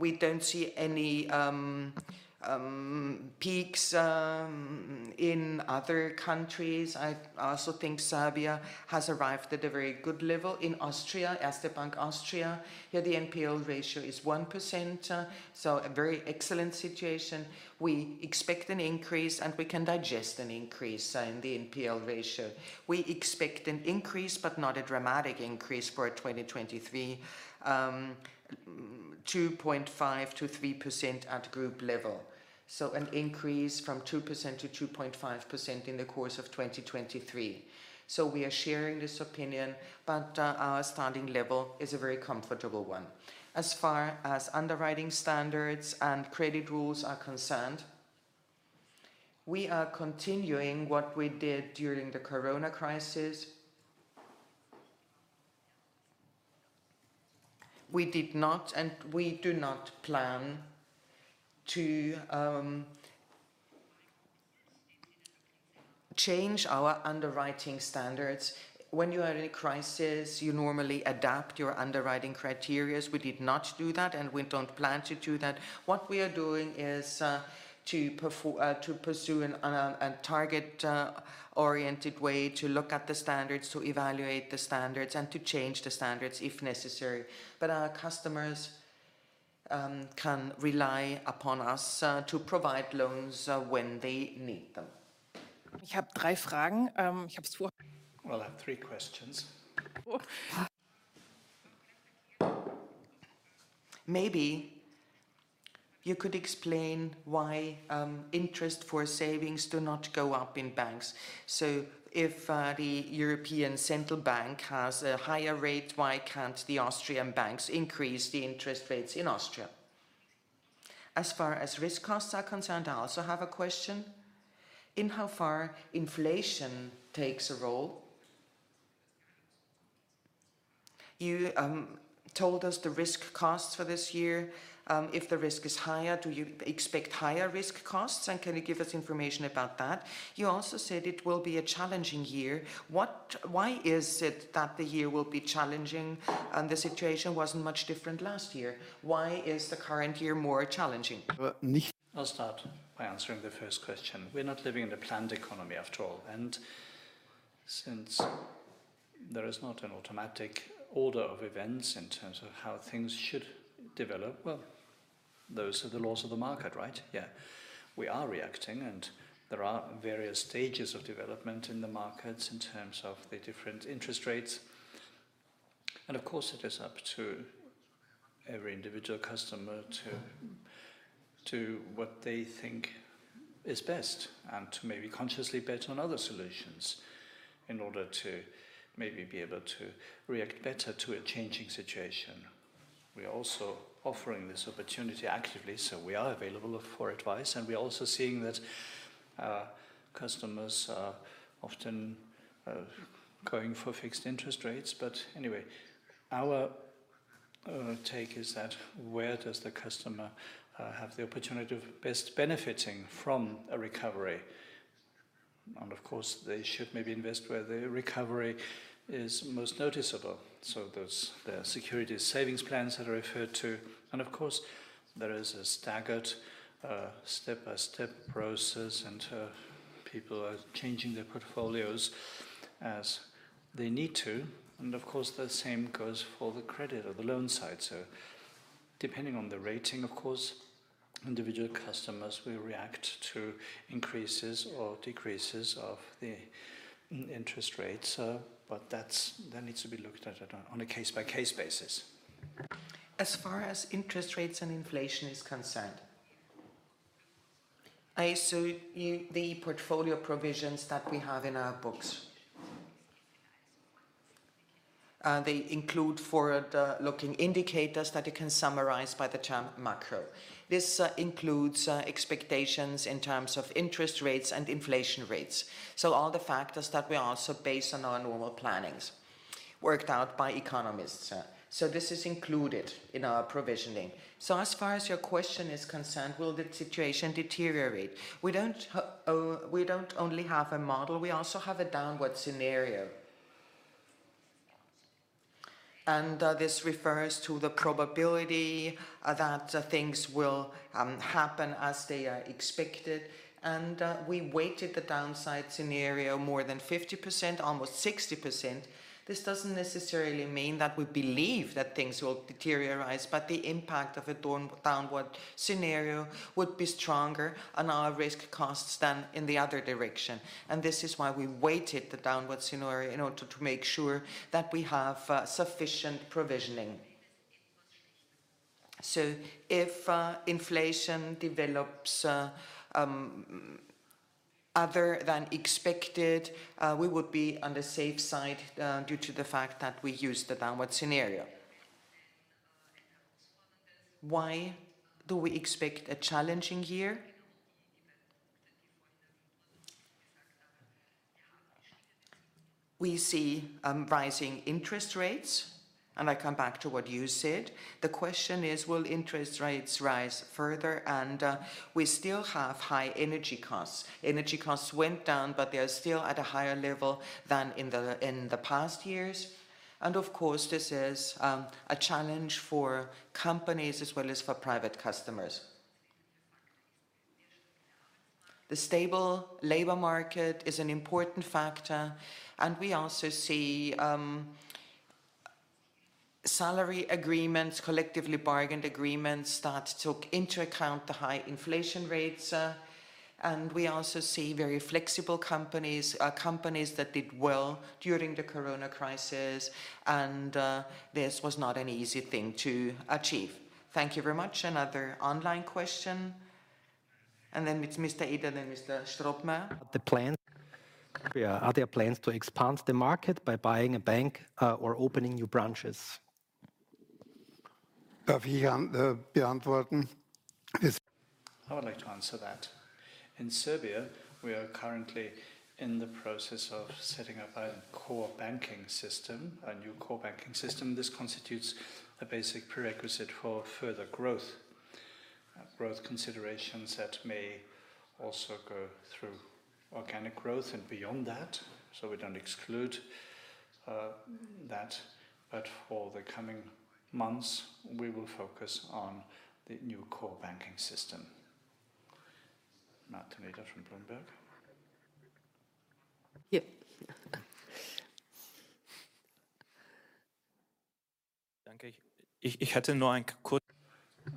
We don't see any peaks in other countries. I also think Serbia has arrived at a very good level. In Austria, Erste Bank Österreich, here the NPL ratio is 1%, so a very excellent situation. We expect an increase, and we can digest an increase in the NPL ratio. We expect an increase, but not a dramatic increase for 2023. 2.5%-3% at group level. An increase from 2% to 2.5% in the course of 2023. We are sharing this opinion, but our starting level is a very comfortable one. As far as underwriting standards and credit rules are concerned, we are continuing what we did during the Corona crisis. We did not, and we do not plan to change our underwriting standards. When you are in a crisis, you normally adapt your underwriting criteria. We did not do that, and we don't plan to do that. What we are doing is to pursue a target oriented way to look at the standards, to evaluate the standards, and to change the standards if necessary. Our customers can rely upon us to provide loans when they need them. I have three questions. I have three questions. Maybe you could explain why, interest for savings do not go up in banks. If the European Central Bank has a higher rate, why can't the Austrian banks increase the interest rates in Austria? As far as risk costs are concerned, I also have a question. In how far inflation takes a role? You told us the risk costs for this year. If the risk is higher, do you expect higher risk costs? Can you give us information about that? You also said it will be a challenging year. Why is it that the year will be challenging and the situation wasn't much different last year? Why is the current year more challenging? I'll start by answering the first question. We're not living in a planned economy after all, since there is not an automatic order of events in terms of how things should develop, well, those are the laws of the market, right? Yeah. We are reacting. There are various stages of development in the markets in terms of the different interest rates. Of course, it is up to every individual customer to what they think is best and to maybe consciously bet on other solutions in order to maybe be able to react better to a changing situation. We are also offering this opportunity actively, so we are available for advice. We're also seeing that customers are often going for fixed interest rates. Anyway, our take is that where does the customer have the opportunity of best benefiting from a recovery? Of course, they should maybe invest where the recovery is most noticeable. Those, the security savings plans that are referred to, and of course, there is a staggered, step-by-step process, and people are changing their portfolios as they need to. Of course, the same goes for the credit or the loan side. Depending on the rating, of course, individual customers will react to increases or decreases of the interest rates. That needs to be looked at on a case-by-case basis. As far as interest rates and inflation is concerned, I assume the portfolio provisions that we have in our books, they include forward-looking indicators that you can summarize by the term macro. This includes expectations in terms of interest rates and inflation rates. All the factors that we also base on our normal plannings worked out by economists. This is included in our provisioning. As far as your question is concerned, will the situation deteriorate? We don't only have a model, we also have a downward scenario. This refers to the probability that things will happen as they are expected. We weighted the downside scenario more than 50%, almost 60%. This doesn't necessarily mean that we believe that things will deteriorate, but the impact of a down-downward scenario would be stronger on our risk costs than in the other direction. This is why we weighted the downward scenario in order to make sure that we have sufficient provisioning. If inflation develops other than expected, we would be on the safe side due to the fact that we used the downward scenario. Why do we expect a challenging year? We see rising interest rates, and I come back to what you said. The question is, will interest rates rise further? We still have high energy costs. Energy costs went down, but they are still at a higher level than in the past years. Of course, this is a challenge for companies as well as for private customers. The stable labor market is an important factor, and we also see salary agreements, collectively bargained agreements start to take into account the high inflation rates. We also see very flexible companies that did well during the corona crisis, and this was not an easy thing to achieve. Thank you very much. Another online question, and then with Mr. Eder, then Mr. Stottmeyer. Are there plans to expand the market by buying a bank, or opening new branches? Darf ich hier beantworten? Yes. I would like to answer that. In Serbia, we are currently in the process of setting up a core banking system, a new core banking system. This constitutes a basic prerequisite for further growth considerations that may also go through organic growth and beyond that. We don't exclude that, but for the coming months, we will focus on the new core banking system. Marton Eder from Bloomberg. Yep. Danke.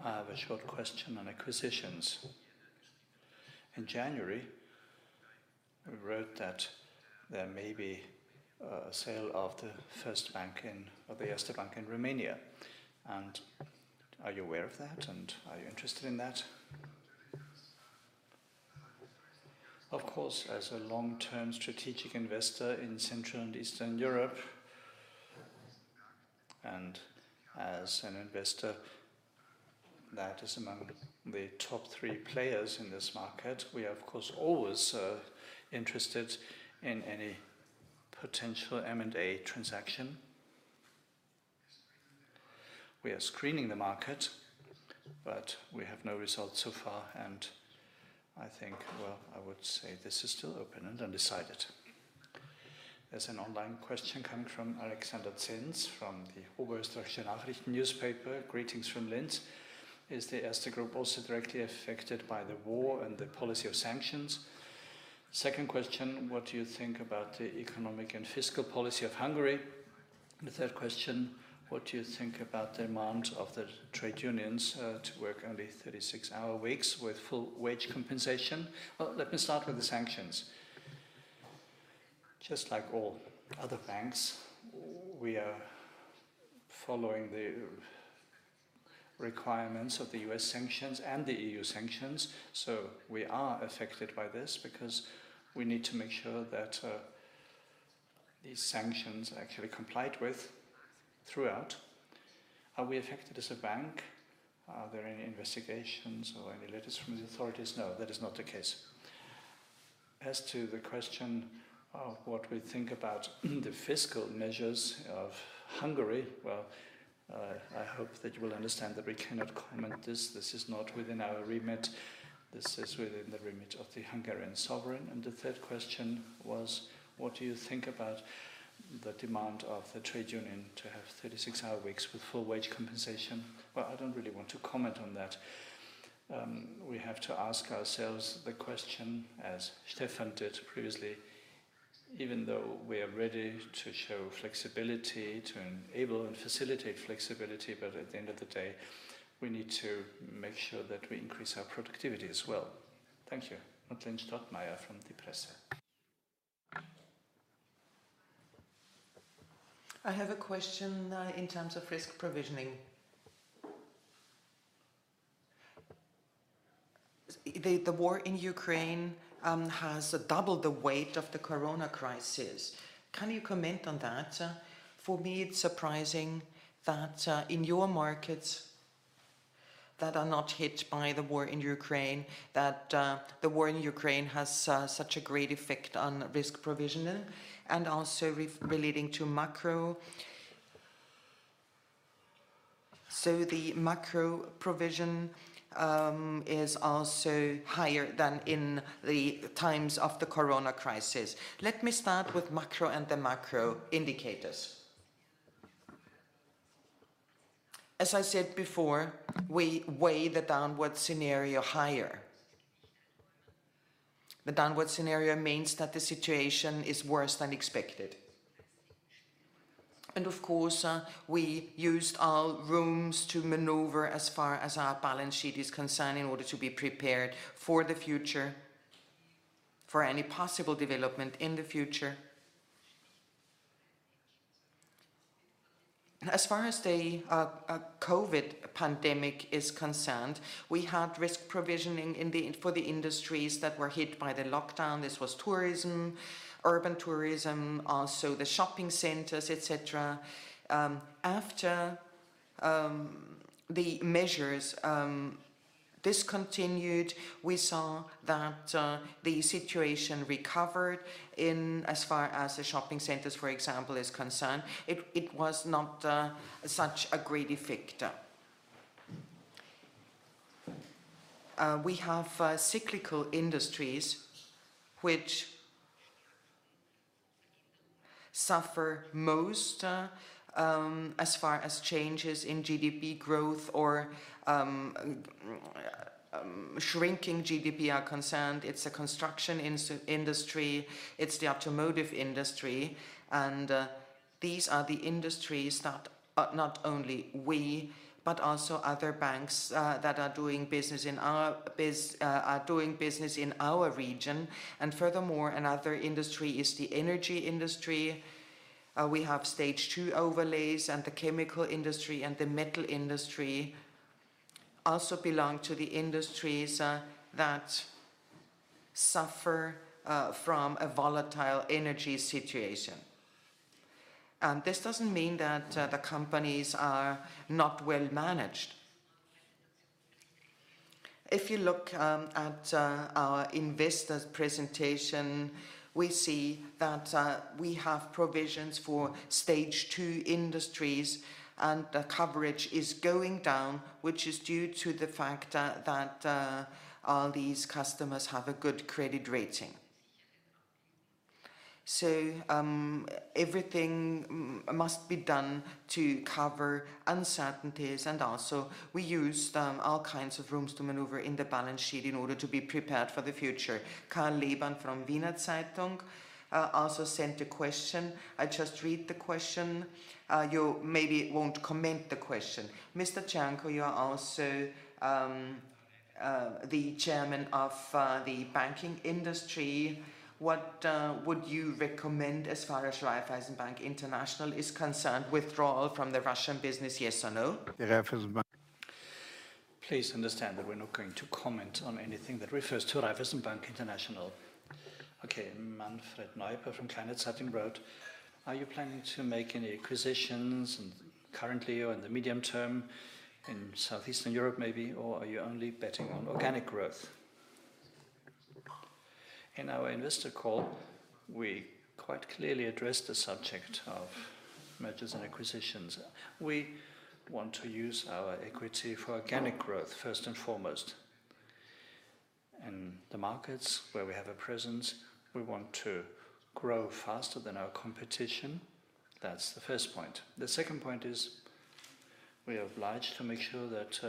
I have a short question on acquisitions. In January, we read that there may be a sale of the Erste Bank in Romania. Are you aware of that, and are you interested in that? Of course, as a long-term strategic investor in Central and Eastern Europe, and as an investor that is among the top three players in this market, we are of course always interested in any potential M&A transaction. We are screening the market, we have no results so far, I think, well, I would say this is still open and undecided. There's an online question coming from Alexander Zins from the Oberösterreichische Nachrichten newspaper. Greetings from Linz. Is the Erste Group also directly affected by the war and the policy of sanctions? Second question, what do you think about the economic and fiscal policy of Hungary? The third question, what do you think about the demands of the trade unions, to work only 36-hour weeks with full wage compensation? Well, let me start with the sanctions. Just like all other banks, we are following the requirements of the U.S. sanctions and the EU sanctions. We are affected by this because we need to make sure that these sanctions are actually complied with throughout. Are we affected as a bank? Are there any investigations or any letters from the authorities? No, that is not the case. As to the question of what we think about the fiscal measures of Hungary, well, I hope that you will understand that we cannot comment this. This is not within our remit. This is within the remit of the Hungarian sovereign. The third question was, what do you think about the demand of the trade union to have 36 hour weeks with full wage compensation? Well, I don't really want to comment on that. We have to ask ourselves the question, as Stefan did previously, even though we are ready to show flexibility, to enable and facilitate flexibility, but at the end of the day, we need to make sure that we increase our productivity as well. Thank you. Madlen Stottmeyer from Die Presse. I have a question in terms of risk provisioning. The war in Ukraine has doubled the weight of the corona crisis. Can you comment on that? For me, it's surprising that in your markets that are not hit by the war in Ukraine, that the war in Ukraine has such a great effect on risk provisioning. Also re-relating to macro. The macro provision is also higher than in the times of the corona crisis. Let me start with macro and the macro indicators. As I said before, we weigh the downward scenario higher. The downward scenario means that the situation is worse than expected. Of course, we used all rooms to maneuver as far as our balance sheet is concerned in order to be prepared for the future, for any possible development in the future. As far as the COVID pandemic is concerned, we had risk provisioning in the, for the industries that were hit by the lockdown. This was tourism, urban tourism, also the shopping centers, et cetera. After the measures discontinued, we saw that the situation recovered in as far as the shopping centers, for example, is concerned. It was not such a great effect. We have cyclical industries which suffer most as far as changes in GDP growth or shrinking GDP are concerned. It's the construction industry, it's the automotive industry. These are the industries not only we, but also other banks that are doing business in our region. Furthermore, another industry is the energy industry. We have stage 2 overlays and the chemical industry and the metal industry also belong to the industries that suffer from a volatile energy situation. This doesn't mean that the companies are not well managed. If you look at our investors presentation, we see that we have provisions for stage 2 industries and the coverage is going down, which is due to the fact that all these customers have a good credit rating. Everything must be done to cover uncertainties and also we use all kinds of rooms to maneuver in the balance sheet in order to be prepared for the future. Karl Leban from Wiener Zeitung also sent a question. I just read the question. You maybe won't comment the question. Mr. Cernko, you are also the chairman of the banking industry. What would you recommend as far as Raiffeisen Bank International is concerned, withdrawal from the Russian business, yes or no? The Raiffeisen Bank. Please understand that we're not going to comment on anything that refers to Raiffeisen Bank International. Okay. Manfred Neuper from Kleine Zeitung wrote: Are you planning to make any acquisitions, currently or in the medium term, in Southeastern Europe maybe, or are you only betting on organic growth? In our investor call, we quite clearly addressed the subject of mergers and acquisitions. We want to use our equity for organic growth, first and foremost. In the markets where we have a presence, we want to grow faster than our competition. That's the first point. The second point is, we are obliged to make sure that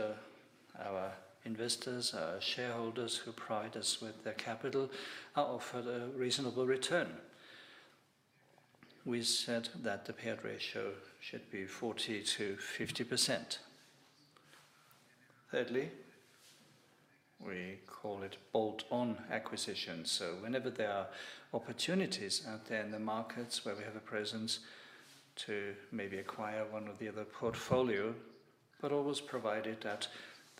our investors, our shareholders who provide us with their capital are offered a reasonable return. We said that the payout ratio should be 40%-50%. Thirdly, we call it bolt-on acquisition. Whenever there are opportunities out there in the markets where we have a presence to maybe acquire one or the other portfolio, but always provided that the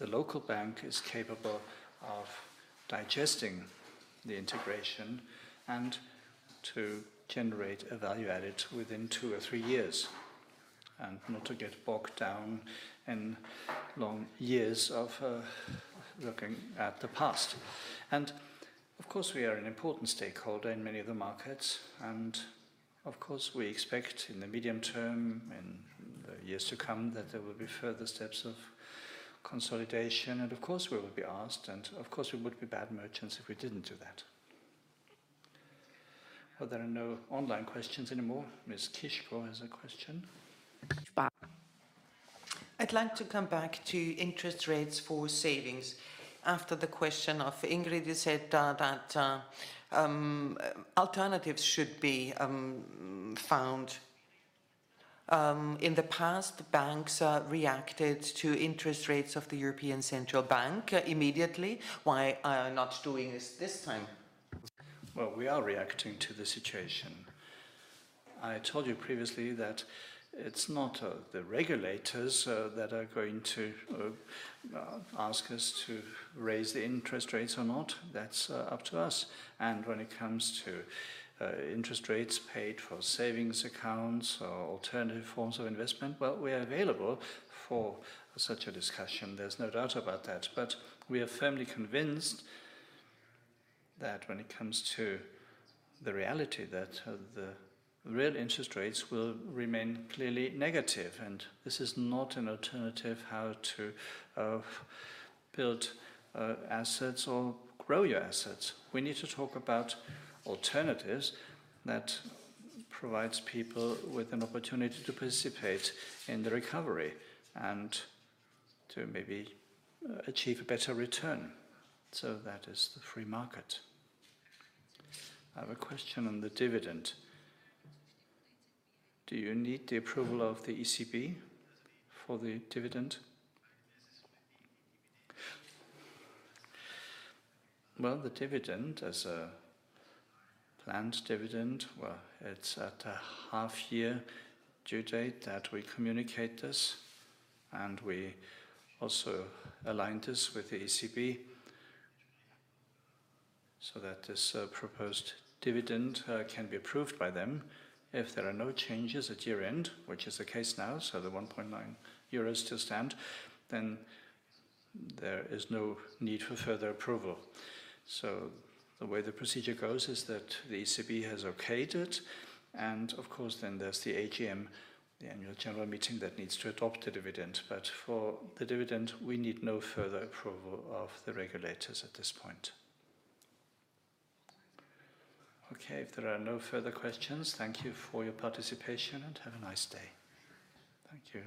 local bank is capable of digesting the integration and to generate a value added within two or three years, and not to get bogged down in long years of looking at the past. Of course, we are an important stakeholder in many of the markets. Of course, we expect in the medium term, in the years to come, that there will be further steps of consolidation. Of course, we will be asked, and of course, we would be bad merchants if we didn't do that. There are no online questions anymore. Ms. Cernko has a question. I'd like to come back to interest rates for savings. After the question of Ingrid, you said that alternatives should be found. In the past, banks reacted to interest rates of the European Central Bank immediately. Why are you not doing this this time? Well, we are reacting to the situation. I told you previously that it's not, the regulators, that are going to, ask us to raise the interest rates or not. That's up to us. When it comes to, interest rates paid for savings accounts or alternative forms of investment, well, we are available for such a discussion. There's no doubt about that. We are firmly convinced that when it comes to the reality, that, the real interest rates will remain clearly negative. This is not an alternative how to build assets or grow your assets. We need to talk about alternatives that provides people with an opportunity to participate in the recovery and to maybe achieve a better return. That is the free market. I have a question on the dividend. Do you need the approval of the ECB for the dividend? The dividend as a planned dividend, well, it's at a half year due date that we communicate this, and we also align this with the ECB so that this proposed dividend can be approved by them. If there are no changes at year-end, which is the case now, so the 1.9 euros still stand, then there is no need for further approval. The way the procedure goes is that the ECB has okayed it, and of course, then there's the AGM, the annual general meeting, that needs to adopt the dividend. For the dividend, we need no further approval of the regulators at this point. Okay. If there are no further questions, thank you for your participation, and have a nice day. Thank you.